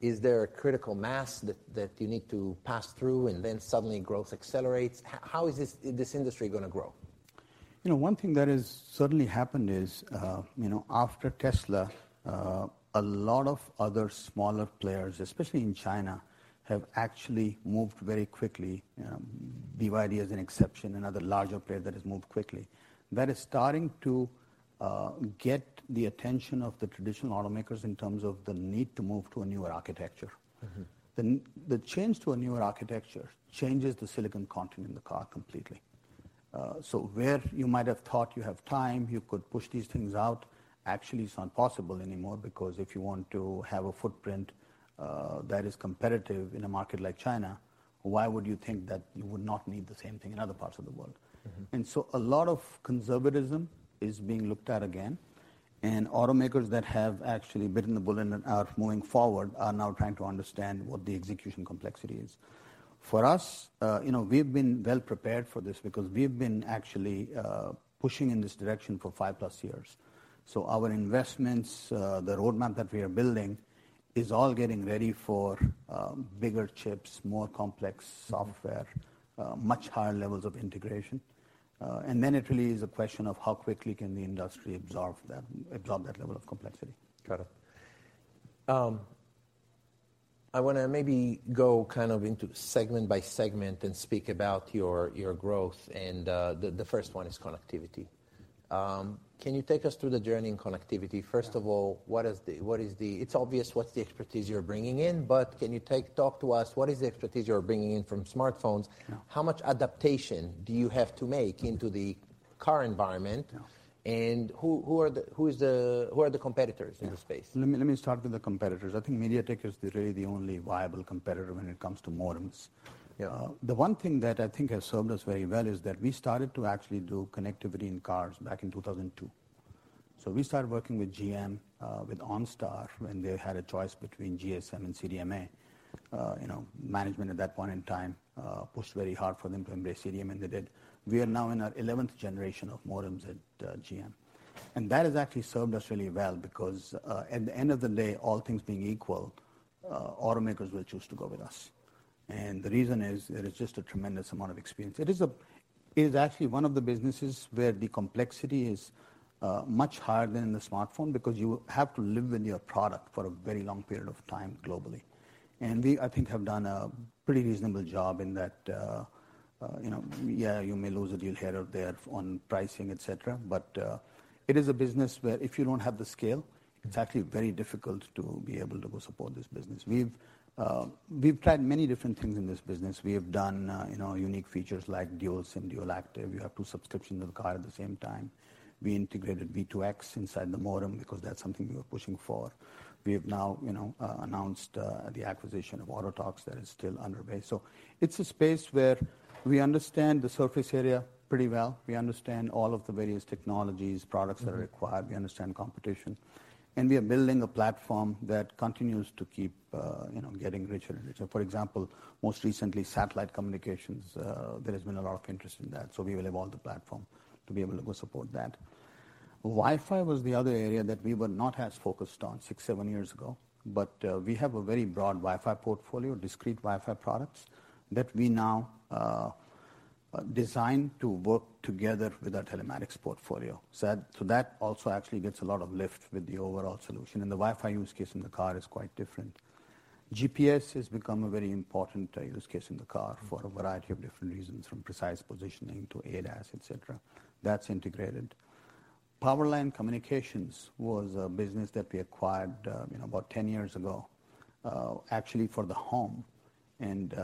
Is there a critical mass that you need to pass through, and then suddenly growth accelerates? How is this industry going to grow? You know, one thing that has certainly happened is, you know, after Tesla, a lot of other smaller players, especially in China, have actually moved very quickly. BYD is an exception, another larger player that has moved quickly. That is starting to get the attention of the traditional automakers in terms of the need to move to a newer architecture. Mm-hmm. The change to a newer architecture changes the silicon content in the car completely. Where you might have thought you have time, you could push these things out, actually, it's not possible anymore because if you want to have a footprint, that is competitive in a market like China, why would you think that you would not need the same thing in other parts of the world? Mm-hmm. A lot of conservatism is being looked at again, and automakers that have actually bitten the bullet and are moving forward are now trying to understand what the execution complexity is. For us, you know, we've been well prepared for this because we've been actually pushing in this direction for 5+ years. Our investments, the roadmap that we are building is all getting ready for bigger chips, more complex software, much higher levels of integration. Then it really is a question of how quickly can the industry absorb that level of complexity. Got it. I want to maybe go kind of into segment by segment and speak about your growth, and the first one is connectivity. Can you take us through the journey in connectivity? First of all, it's obvious what's the expertise you're bringing in, but can you talk to us, what is the expertise you're bringing in from smartphones? Yeah. How much adaptation do you have to make into the car environment? Yeah. Who are the competitors in the space? Let me start with the competitors. I think MediaTek is really the only viable competitor when it comes to modems. The one thing that I think has served us very well is that we started to actually do connectivity in cars back in 2002. We started working with GM, with OnStar, when they had a choice between GSM and CDMA. You know, management at that point in time, pushed very hard for them to embrace CDMA, and they did. We are now in our eleventh generation of modems at GM, and that has actually served us really well because, at the end of the day, all things being equal, automakers will choose to go with us. The reason is, that it's just a tremendous amount of experience. It is actually one of the businesses where the complexity is much higher than in the smartphone because you have to live with your product for a very long period of time globally. And we, I think, have done a pretty reasonable job in that, you know, yeah, you may lose a deal here or there on pricing, et cetera, but it is a business where if you don't have the scale, it's actually very difficult to be able to go support this business. We've tried many different things in this business. We have done, you know, unique features like dual SIM, dual active. You have two subscriptions in the car at the same time. We integrated V2X inside the modem because that's something we were pushing for. We have now, you know, announced the acquisition of Autotalks that is still underway. It's a space where we understand the surface area pretty well. We understand all of the various technologies, products that are required. We understand competition, we are building a platform that continues to keep, you know, getting richer and richer. For example, most recently, satellite communications, there has been a lot of interest in that, we will evolve the platform to be able to go support that. Wi-Fi was the other area that we were not as focused on six, seven years ago, we have a very broad Wi-Fi portfolio, discrete Wi-Fi products, that we now design to work together with our telematics portfolio. That also actually gets a lot of lift with the overall solution. The Wi-Fi use case in the car is quite different. GPS has become a very important use case in the car for a variety of different reasons, from precise positioning to ADAS, et cetera. That's integrated. Powerline Communications was a business that we acquired, you know, about 10 years ago, actually for the home, and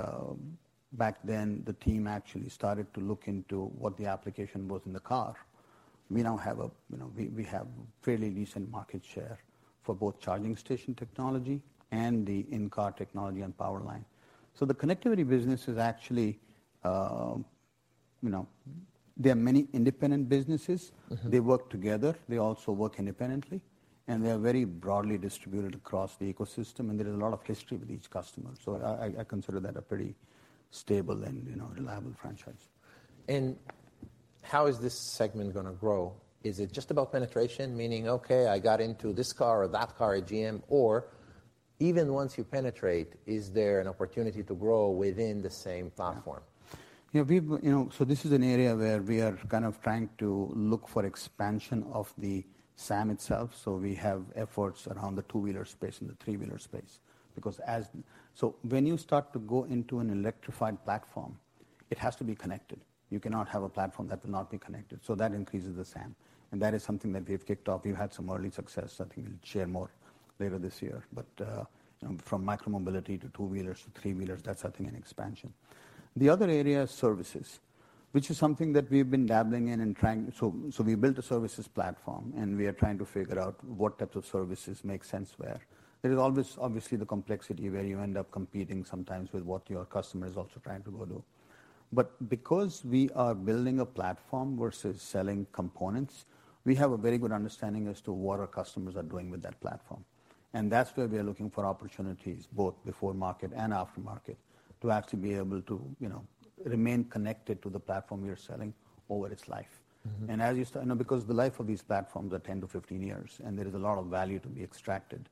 back then, the team actually started to look into what the application was in the car. We now have a, you know, we have fairly decent market share for both charging station technology and the in-car technology and powerline. The connectivity business is actually, you know. There are many independent businesses. Mm-hmm. They work together. They also work independently, and they are very broadly distributed across the ecosystem, and there is a lot of history with each customer. I consider that a pretty stable and, you know, reliable franchise. How is this segment going to grow? Is it just about penetration, meaning, "Okay, I got into this car or that car at GM?" Or even once you penetrate, is there an opportunity to grow within the same platform? We've, you know, this is an area where we are kind of trying to look for expansion of the SAM itself, so we have efforts around the two-wheeler space and the three-wheeler space. When you start to go into an electrified platform, it has to be connected. You cannot have a platform that will not be connected, so that increases the SAM, and that is something that we have kicked off. We've had some early success that we will share more later this year, but from micro mobility to two-wheelers to three-wheelers, that's I think an expansion. The other area is services, which is something that we've been dabbling in and trying. We built a services platform, and we are trying to figure out what types of services make sense where. There is always obviously the complexity where you end up competing sometimes with what your customer is also trying to go do. Because we are building a platform versus selling components, we have a very good understanding as to what our customers are doing with that platform. That's where we are looking for opportunities, both before market and after market, to actually be able to, you know, remain connected to the platform we are selling over its life. Mm-hmm. Because the life of these platforms are 10-15 years, and there is a lot of value to be extracted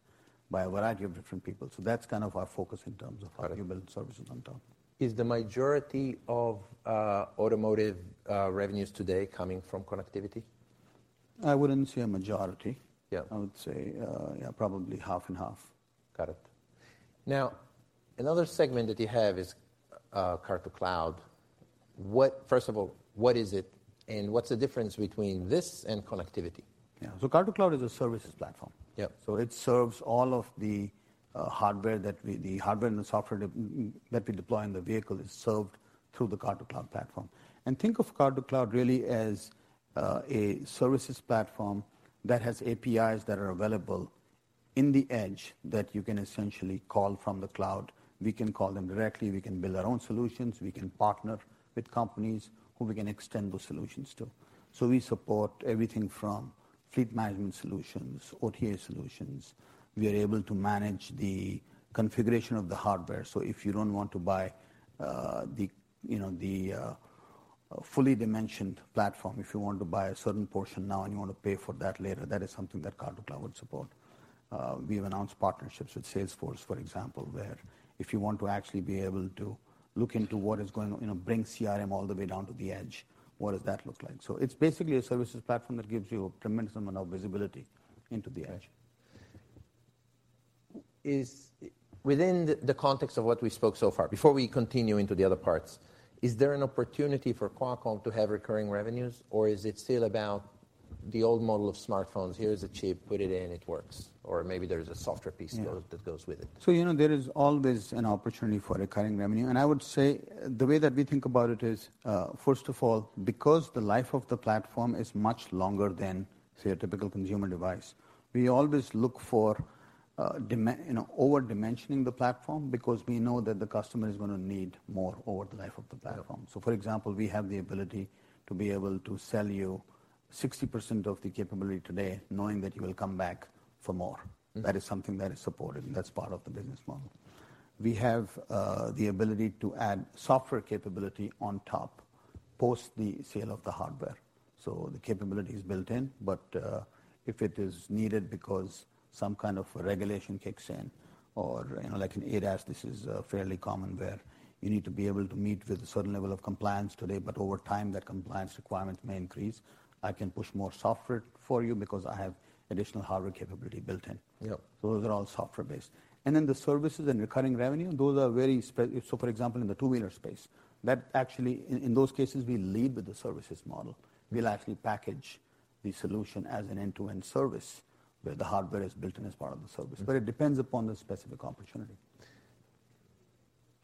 by a variety of different people, so that's kind of our focus in terms of. Got it. how you build services on top. Is the majority of automotive revenues today coming from connectivity? I wouldn't say a majority. Yeah. I would say, yeah, probably half and half. Got it. Now, another segment that you have is Car-to-Cloud. First of all, what is it, and what's the difference between this and connectivity? Yeah. Car-to-Cloud is a services platform. Yeah. It serves all of the hardware and the software that we deploy in the vehicle is served through the Car-to-Cloud platform. Think of Car-to-Cloud really as a services platform that has APIs that are available in the edge, that you can essentially call from the cloud. We can call them directly, we can build our own solutions, we can partner with companies who we can extend those solutions to. We support everything from fleet management solutions, OTA solutions. We are able to manage the configuration of the hardware. If you don't want to buy the, you know, the fully dimensioned platform, if you want to buy a certain portion now and you want to pay for that later, that is something that Car-to-Cloud would support. we've announced partnerships with Salesforce, for example. ...if you want to actually be able to look into what is going on, you know, bring CRM all the way down to the edge, what does that look like? It's basically a services platform that gives you a tremendous amount of visibility into the edge. Within the context of what we spoke so far, before we continue into the other parts, is there an opportunity for Qualcomm to have recurring revenues, or is it still about the old model of smartphones? "Here is a chip, put it in, it works." Or maybe there is a software piece- Yeah. that goes with it. You know, there is always an opportunity for recurring revenue. I would say the way that we think about it is, first of all, because the life of the platform is much longer than, say, a typical consumer device, we always look for, you know, over-dimensioning the platform because we know that the customer is going to need more over the life of the platform. For example, we have the ability to be able to sell you 60% of the capability today, knowing that you will come back for more. Mm-hmm. That is something that is supported, and that's part of the business model. We have the ability to add software capability on top, post the sale of the hardware. The capability is built in, but, if it is needed because some kind of regulation kicks in, or, you know, like in ADAS, this is fairly common, where you need to be able to meet with a certain level of compliance today, but over time, that compliance requirement may increase. I can push more software for you because I have additional hardware capability built in. Yes. Those are all software-based. The services and recurring revenue. For example, in the two-wheeler space, that actually, in those cases, we lead with the services model. We'll actually package the solution as an end-to-end service, where the hardware is built in as part of the service. Mm-hmm. It depends upon the specific opportunity.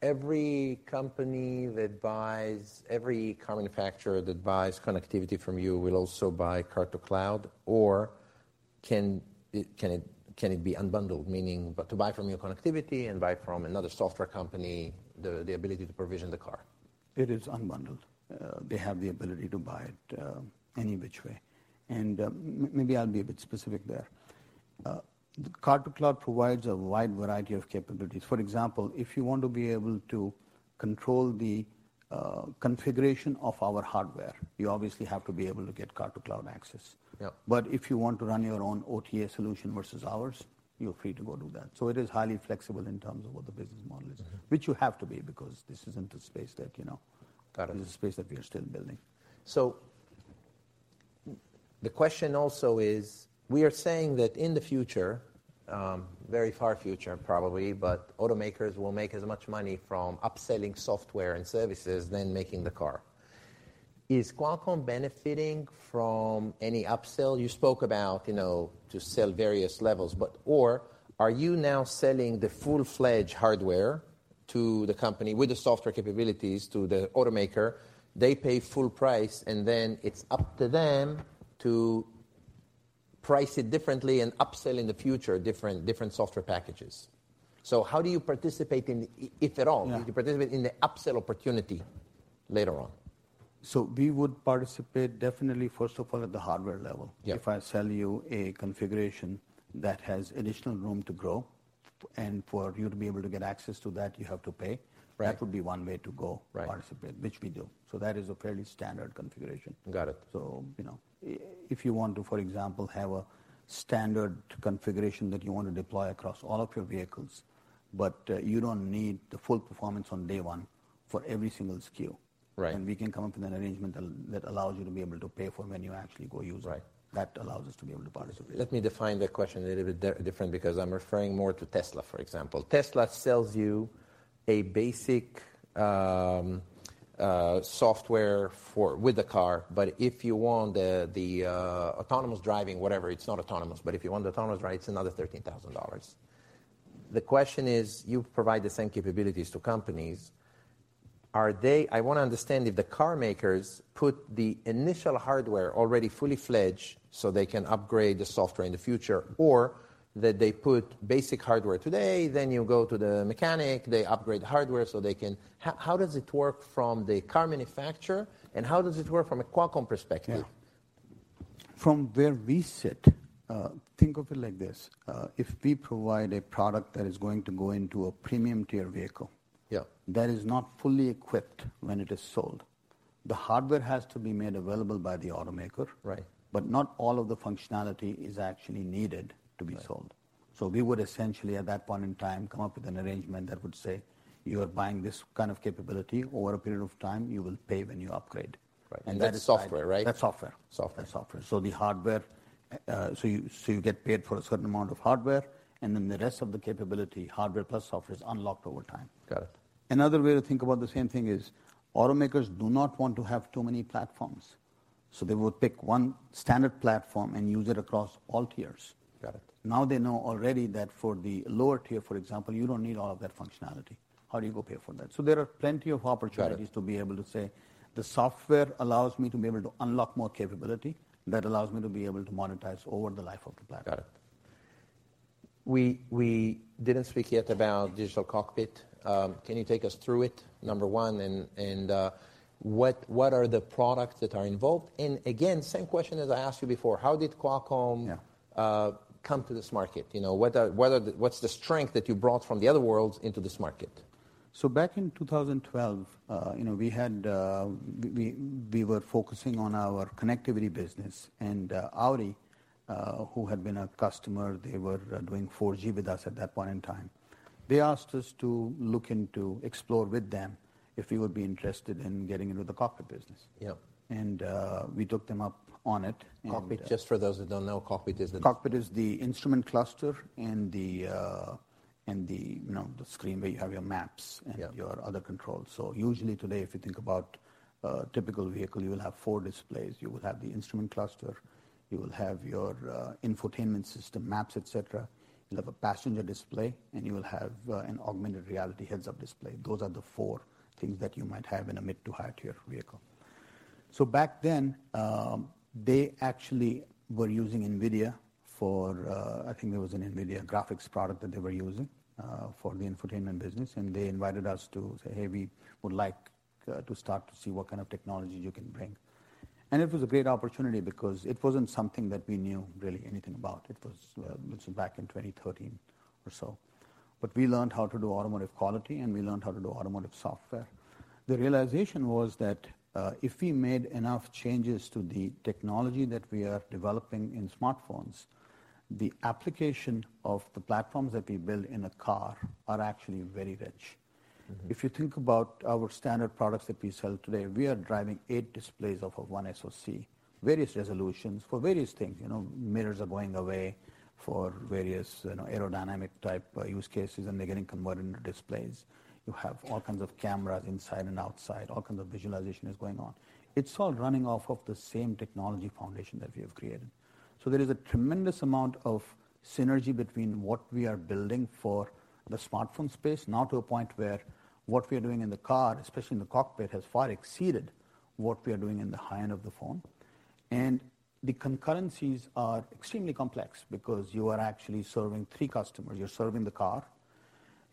Every company that buys, every car manufacturer that buys connectivity from you will also buy Car-to-Cloud, or can it be unbundled? Meaning, to buy from your connectivity and buy from another software company, the ability to provision the car. It is unbundled. They have the ability to buy it, any which way. Maybe I'll be a bit specific there. The Car-to-Cloud provides a wide variety of capabilities. For example, if you want to be able to control the configuration of our hardware, you obviously have to be able to get Car-to-Cloud access. Yes. If you want to run your own OTA solution versus ours, you're free to go do that. It is highly flexible in terms of what the business model is. Mm-hmm. Which you have to be, because this isn't a space that, you know... Got it. This is a space that we are still building. The question also is, we are saying that in the future, very far future, probably, but automakers will make as much money from upselling software and services than making the car. Is Qualcomm benefiting from any upsell? You spoke about, you know, to sell various levels, but. Are you now selling the full-fledged hardware to the company with the software capabilities to the automaker? They pay full price, and then it's up to them to price it differently and upsell in the future, different software packages. How do you participate in, if at all? Yeah. Do you participate in the upsell opportunity later on? We would participate definitely, first of all, at the hardware level. Yes. If I sell you a configuration that has additional room to grow, and for you to be able to get access to that, you have to pay. Right. That would be one way to go-. Right -to participate, which we do. That is a fairly standard configuration. Got it. You know, if you want to, for example, have a standard configuration that you want to deploy across all of your vehicles, but you don't need the full performance on day one for every single SKU. Right. We can come up with an arrangement that allows you to be able to pay for when you actually go use it. Right. That allows us to be able to participate. Let me define the question a little bit different, because I'm referring more to Tesla, for example. Tesla sells you a basic software with the car, but if you want the autonomous driving, whatever, it's not autonomous, but if you want the autonomous drive, it's another $13,000. The question is: you provide the same capabilities to companies, I want to understand if the car makers put the initial hardware already fully fledged so they can upgrade the software in the future, or that they put basic hardware today, then you go to the mechanic, they upgrade the hardware so they can... How does it work from the car manufacturer, and how does it work from a Qualcomm perspective? Yeah. From where we sit, think of it like this: if we provide a product that is going to go into a premium-tier vehicle- Yes that is not fully equipped when it is sold, the hardware has to be made available by the automaker. Right. Not all of the functionality is actually needed to be sold. Right. We would essentially, at that point in time, come up with an arrangement that would say, "You are buying this kind of capability. Over a period of time, you will pay when you upgrade. Right. That's software, right? That's software. Software. That's software. The hardware, so you get paid for a certain amount of hardware, and then the rest of the capability, hardware plus software, is unlocked over time. Got it. Another way to think about the same thing is, automakers do not want to have too many platforms. They will pick one standard platform and use it across all tiers. Got it. They know already that for the lower tier, for example, you don't need all of that functionality. How do you go pay for that? There are plenty of opportunities. Got it.... to be able to say, "The software allows me to be able to unlock more capability that allows me to be able to monetize over the life of the platform. Got it. We didn't speak yet about digital cockpit. Can you take us through it, number one, and what are the products that are involved? Again, same question as I asked you before: How did Qualcomm... Yeah... come to this market? You know, whether, what's the strength that you brought from the other worlds into this market? Back in 2012, you know, we had, we were focusing on our connectivity business. Audi, who had been our customer, they were doing 4G with us at that point in time. They asked us to look into explore with them if we would be interested in getting into the cockpit business. Yeah. We took them up on it. Cockpit, just for those that don't know, cockpit is. Cockpit is the instrument cluster and the, you know, the screen where you have your maps. Yeah... and your other controls. Usually today, if you think about a typical vehicle, you will have four displays. You will have the instrument cluster, you will have your infotainment system, maps, et cetera. You'll have a passenger display, and you will have an augmented reality heads-up display. Those are the four things that you might have in a mid to high-tier vehicle. Back then, they actually were using NVIDIA for... I think there was an NVIDIA graphics product that they were using for the infotainment business, and they invited us to say, "Hey, we would like to start to see what kind of technology you can bring." It was a great opportunity because it wasn't something that we knew really anything about. It was, this was back in 2013 or so. We learned how to do automotive quality, and we learned how to do automotive software. The realization was that if we made enough changes to the technology that we are developing in smartphones, the application of the platforms that we build in a car are actually very rich. Mm-hmm. If you think about our standard products that we sell today, we are driving eight displays off of one SoC. Various resolutions for various things. You know, mirrors are going away for various, you know, aerodynamic type, use cases, and they're getting converted into displays. You have all kinds of cameras inside and outside. All kinds of visualization is going on. It's all running off of the same technology foundation that we have created. There is a tremendous amount of synergy between what we are building for the smartphone space, now to a point where what we are doing in the car, especially in the cockpit, has far exceeded what we are doing in the high end of the phone. The concurrencies are extremely complex because you are actually serving three customers. You're serving the car,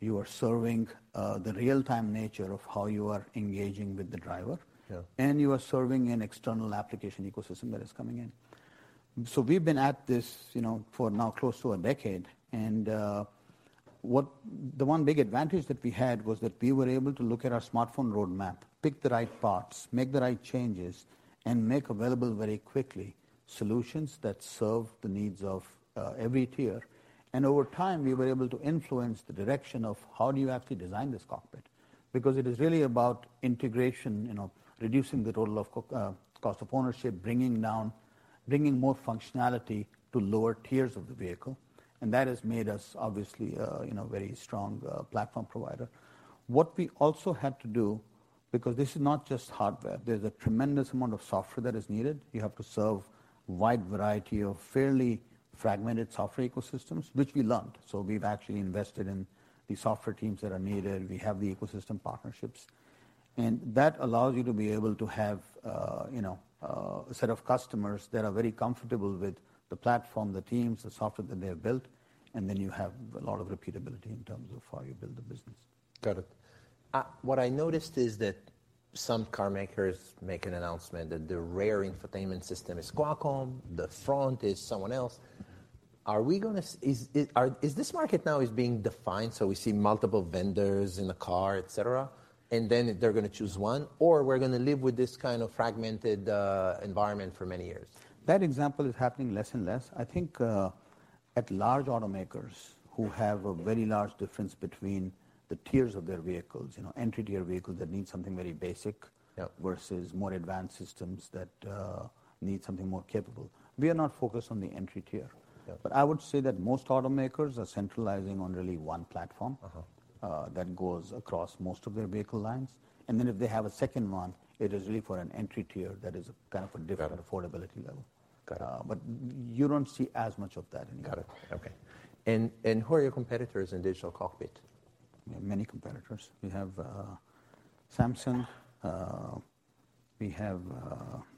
you are serving the real-time nature of how you are engaging with the driver. Yeah... and you are serving an external application ecosystem that is coming in. We've been at this, you know, for now close to a decade. The one big advantage that we had was that we were able to look at our smartphone roadmap, pick the right parts, make the right changes, and make available very quickly solutions that serve the needs of every tier. Over time, we were able to influence the direction of: How do you actually design this cockpit? It is really about integration, you know, reducing the total cost of ownership, bringing more functionality to lower tiers of the vehicle, and that has made us obviously, you know, a very strong platform provider. What we also had to do, because this is not just hardware, there's a tremendous amount of software that is needed. You have to serve a wide variety of fairly fragmented software ecosystems, which we learned. We've actually invested in the software teams that are needed. We have the ecosystem partnerships, and that allows you to be able to have, you know, a set of customers that are very comfortable with the platform, the teams, the software that they have built, and then you have a lot of repeatability in terms of how you build the business. Got it. What I noticed is that some car makers make an announcement that the rear infotainment system is Qualcomm, the front is someone else. Is this market now is being defined, so we see multiple vendors in the car, et cetera, and then they're going to choose one, or we're going to live with this kind of fragmented environment for many years? That example is happening less and less. I think, at large automakers who have a very large difference between the tiers of their vehicles, you know, entry-tier vehicles that need something very basic... Yeah... versus more advanced systems that need something more capable. We are not focused on the entry tier. Yeah. I would say that most automakers are centralizing on really one platform. Uh-huh... that goes across most of their vehicle lines, and then if they have a second one, it is really for an entry tier that is kind of. Got it. different affordability level. Got it. You don't see as much of that anymore. Got it. Okay. Who are your competitors in digital cockpit? We have many competitors. We have Samsung, we have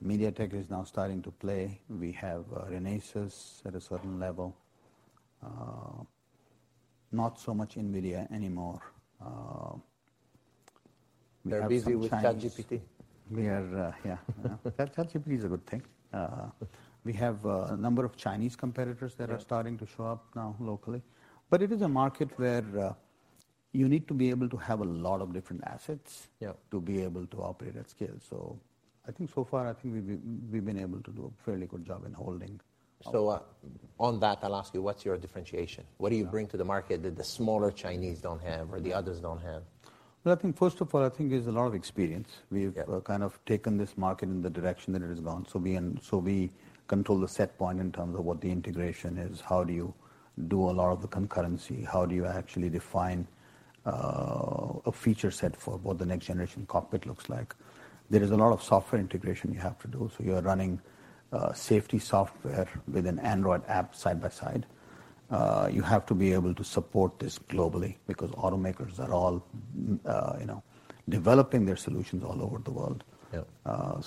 MediaTek is now starting to play. We have Renesas at a certain level, not so much NVIDIA anymore, we have some Chinese-. They're busy with ChatGPT. We are, yeah. ChatGPT is a good thing. We have a number of Chinese competitors. Yeah... that are starting to show up now locally. It is a market where, you need to be able to have a lot of different assets. Yeah to be able to operate at scale. I think so far, I think we've been able to do a fairly good job in holding. On that, I'll ask you, what's your differentiation? Yeah. What do you bring to the market that the smaller Chinese don't have or the others don't have? Well, I think first of all, I think it's a lot of experience. Yeah. We've kind of taken this market in the direction that it has gone. We control the set point in terms of what the integration is. How do you do a lot of the concurrency? How do you actually define a feature set for what the next generation cockpit looks like? There is a lot of software integration you have to do. You are running safety software with an Android app side by side. You have to be able to support this globally because automakers are all, you know, developing their solutions all over the world. Yeah.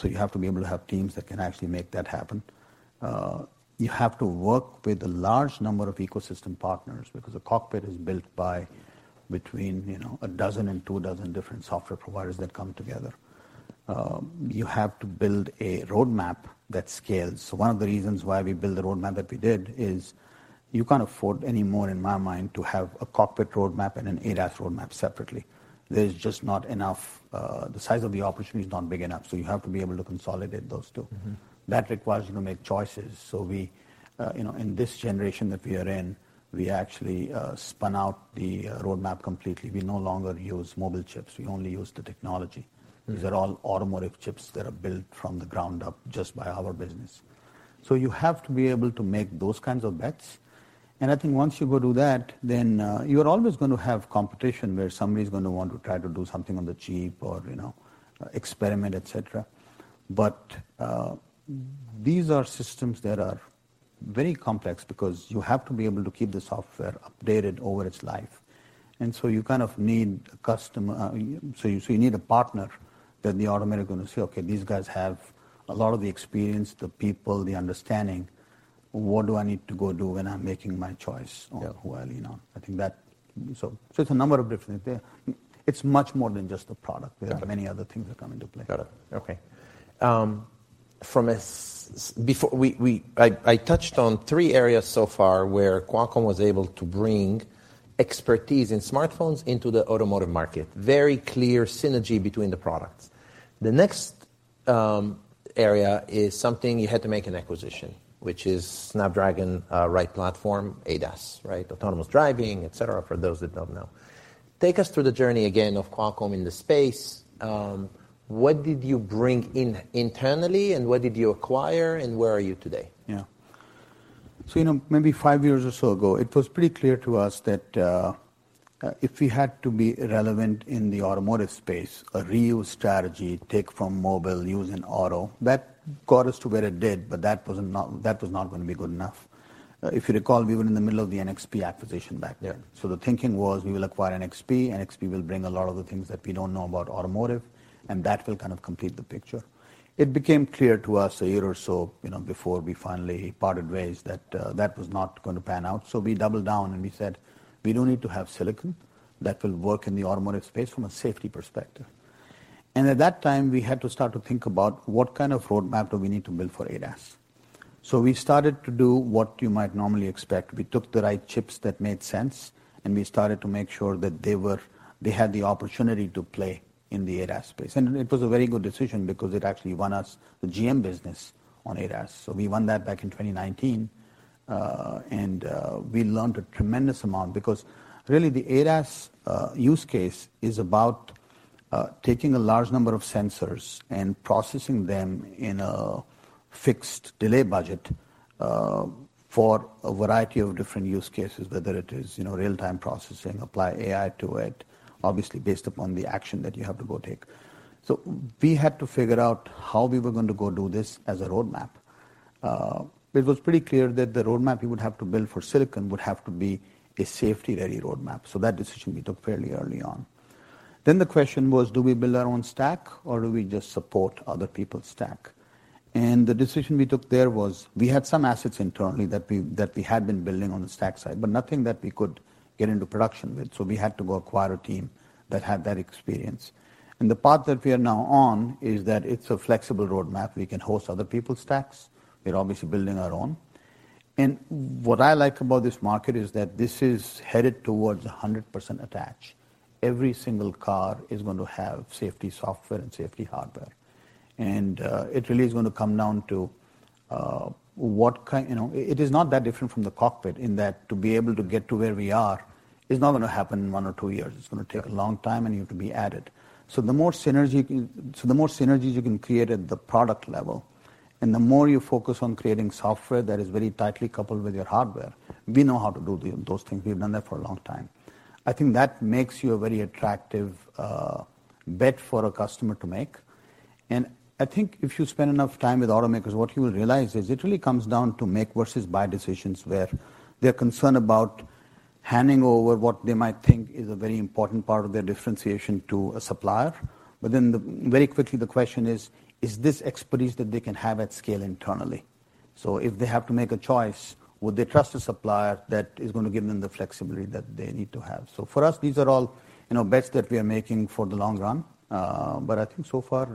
You have to be able to have teams that can actually make that happen. You have to work with a large number of ecosystem partners because a cockpit is built by between, you know, 12 and 24 different software providers that come together. You have to build a roadmap that scales. One of the reasons why we built the roadmap that we did is you can't afford any more, in my mind, to have a cockpit roadmap and an ADAS roadmap separately. There's just not enough, the size of the opportunity is not big enough, you have to be able to consolidate those two. Mm-hmm. That requires you to make choices. We, you know, in this generation that we are in, we actually spun out the roadmap completely. We no longer use mobile chips. We only use the technology. Mm. These are all automotive chips that are built from the ground up just by our business. You have to be able to make those kinds of bets, and I think once you go do that, you're always going to have competition, where somebody's going to want to try to do something on the cheap or, you know, experiment, et cetera. These are systems that are very complex because you have to be able to keep the software updated over its life, and so you kind of need a custom... You need a partner that the automaker is going to say, "Okay, these guys have a lot of the experience, the people, the understanding. What do I need to go do when I'm making my choice... Yeah -on who, you know?" I think. It's a number of different things. It's much more than just a product. Okay. There are many other things that come into play. Got it. Okay. Before I touched on three areas so far where Qualcomm was able to bring expertise in smartphones into the automotive market. Very clear synergy between the products. The next area is something you had to make an acquisition, which is Snapdragon Ride platform, ADAS, right? Autonomous driving, et cetera, for those that don't know. Take us through the journey again of Qualcomm in the space. What did you bring in internally, and what did you acquire, and where are you today? Yeah. You know, maybe five years or so ago, it was pretty clear to us that, if we had to be relevant in the automotive space, a reuse strategy, take from mobile, use in auto, that got us to where it did, but that was not going to be good enough. If you recall, we were in the middle of the NXP acquisition back then. Yeah. The thinking was, we will acquire NXP will bring a lot of the things that we don't know about automotive, and that will kind of complete the picture. It became clear to us a year or so, you know, before we finally parted ways, that that was not going to pan out. We doubled down, and we said, "We don't need to have silicon that will work in the automotive space from a safety perspective." At that time, we had to start to think about what kind of roadmap do we need to build for ADAS? We started to do what you might normally expect. We took the right chips that made sense, and we started to make sure that they had the opportunity to play in the ADAS space. It was a very good decision because it actually won us the GM business on ADAS. We won that back in 2019, and we learned a tremendous amount because really, the ADAS use case is about taking a large number of sensors and processing them in a fixed delay budget for a variety of different use cases, whether it is, you know, real-time processing, apply AI to it, obviously, based upon the action that you have to go take. We had to figure out how we were going to go do this as a roadmap. It was pretty clear that the roadmap we would have to build for silicon would have to be a safety-ready roadmap, so that decision we took fairly early on. The question was, do we build our own stack or do we just support other people's stack? The decision we took there was, we had some assets internally that we had been building on the stack side, but nothing that we could get into production with, so we had to go acquire a team that had that experience. The path that we are now on is that it's a flexible roadmap. We can host other people's stacks. We're obviously building our own. What I like about this market is that this is headed towards a 100% attach. Every single car is going to have safety software and safety hardware. It really is going to come down to. You know, it is not that different from the cockpit in that to be able to get to where we are is going to happen in one or two years. going to take a long time. You have to be added. The more synergies you can create at the product level and the more you focus on creating software that is very tightly coupled with your hardware, we know how to do those things. We've done that for a long time. I think that makes you a very attractive bet for a customer to make. I think if you spend enough time with automakers, what you will realize is it really comes down to make versus buy decisions, where they're concerned about handing over what they might think is a very important part of their differentiation to a supplier. Very quickly, the question is: Is this expertise that they can have at scale internally? If they have to make a choice, would they trust a supplier that is going to give them the flexibility that they need to have? For us, these are all, you know, bets that we are making for the long run. I think so far,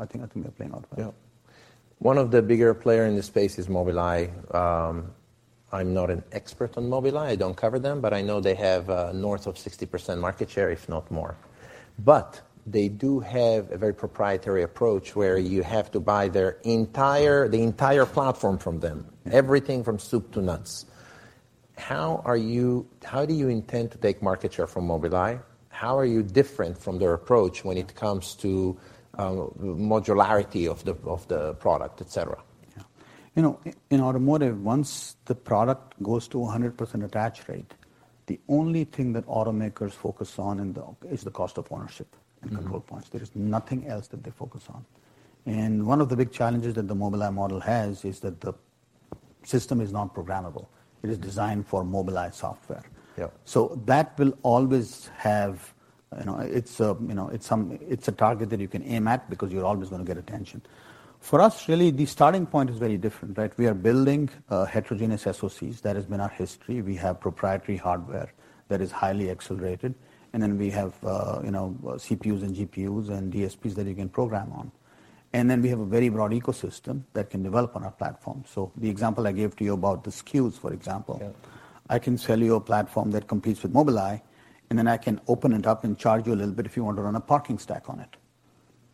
I think they're playing out well. Yeah. One of the bigger player in this space is Mobileye. I'm not an expert on Mobileye. I don't cover them, but I know they have north of 60% market share, if not more. They do have a very proprietary approach, where you have to buy the entire platform from them. Mm. Everything from soup to nuts. How do you intend to take market share from Mobileye? How are you different from their approach when it comes to modularity of the product, et cetera? Yeah. You know, in automotive, once the product goes to a 100% attach rate, the only thing that automakers focus on is the cost of ownership. Mm ... and control points. There is nothing else that they focus on. One of the big challenges that the Mobileye model has is that the system is not programmable. It is designed for Mobileye software. Yeah. That will always have, you know, it's, you know, it's a target that you can aim at because you're always going to get attention. For us, really, the starting point is very different, right? We are building heterogeneous SoCs. That has been our history. We have proprietary hardware that is highly accelerated, then we have, you know, CPUs and GPUs and DSPs that you can program on. Then we have a very broad ecosystem that can develop on our platform. The example I gave to you about the SKUs, for example. Yeah. I can sell you a platform that competes with Mobileye, and then I can open it up and charge you a little bit if you want to run a parking stack on it.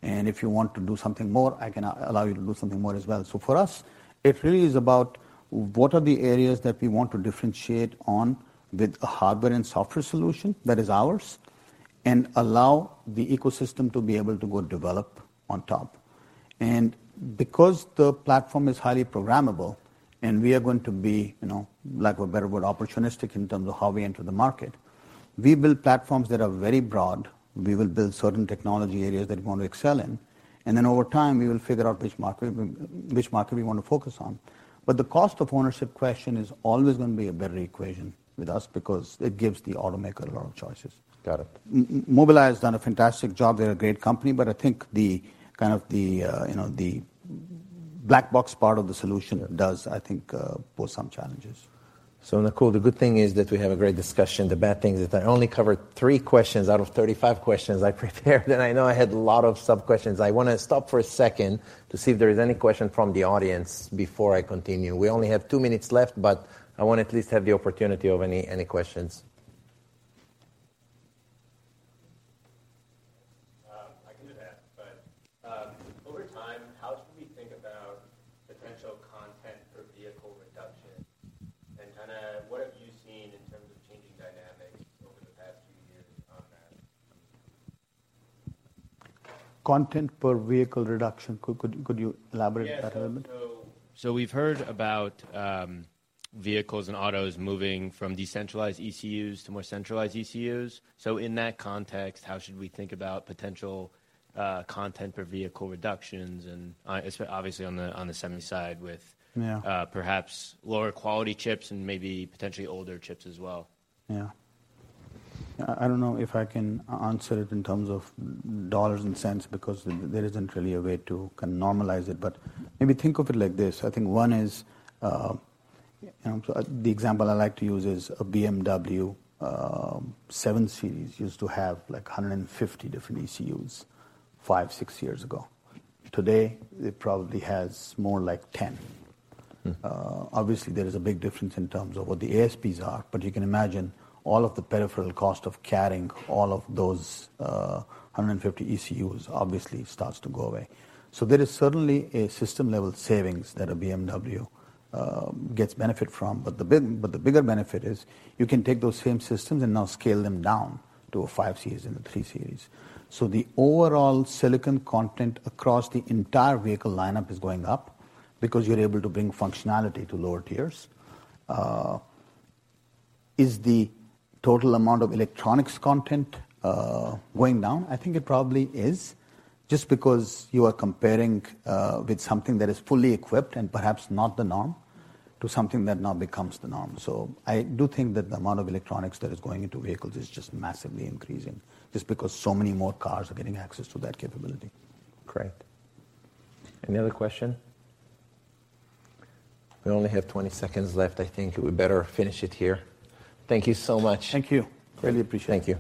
If you want to do something more, I can allow you to do something more as well. For us, it really is about what are the areas that we want to differentiate on with a hardware and software solution that is ours, and allow the ecosystem to be able to go develop on top. Because the platform is highly programmable and we are going to be, you know, lack of a better word, opportunistic in terms of how we enter the market, we build platforms that are very broad. We will build certain technology areas that we want to excel in, and then over time, we will figure out which market we want to focus on. The cost of ownership question is always going to be a better equation with us because it gives the automaker a lot of choices. Got it. Mobileye has done a fantastic job. They're a great company, but I think the, kind of the, you know, the black box part of the solution does, I think, pose some challenges. Nakul, the good thing is that we have a great discussion. The bad thing is that I only covered three questions out of 35 questions I prepared, and I know I had a lot of sub-questions. I want to stop for a second to see if there is any question from the audience before I continue. We only have two minutes left, but I want to at least have the opportunity of any questions. I can ask, over time, how should we think about potential content per vehicle reduction? Kind of what have you seen in terms of changing dynamics over the past few years on that? Content per vehicle reduction. Could you elaborate that a little bit? Yeah. So we've heard about vehicles and autos moving from decentralized ECUs to more centralized ECUs. In that context, how should we think about potential content per vehicle reductions? It's obviously on the, on the semi side with... Yeah. Perhaps lower quality chips and maybe potentially older chips as well. Yeah. I don't know if I can answer it in terms of dollars and cents, because there isn't really a way to kind of normalize it. Maybe think of it like this. I think one is, you know, the example I like to use is a BMW seven series, used to have like 150 different ECUs five, six years ago. Today, it probably has more like 10. Mm. Obviously, there is a big difference in terms of what the ASPs are, but you can imagine all of the peripheral cost of carrying all of those 150 ECUs obviously starts to go away. There is certainly a system-level savings that a BMW gets benefit from. But the big, but the bigger benefit is you can take those same systems and now scale them down to a 5 series and a 3 series. The overall silicon content across the entire vehicle lineup is going up because you're able to bring functionality to lower tiers. Is the total amount of electronics content going down? I think it probably is, just because you are comparing with something that is fully equipped and perhaps not the norm, to something that now becomes the norm. I do think that the amount of electronics that is going into vehicles is just massively increasing, just because so many more cars are getting access to that capability. Great. Any other question? We only have 20 seconds left. I think we better finish it here. Thank you so much. Thank you. Really appreciate it. Thank you.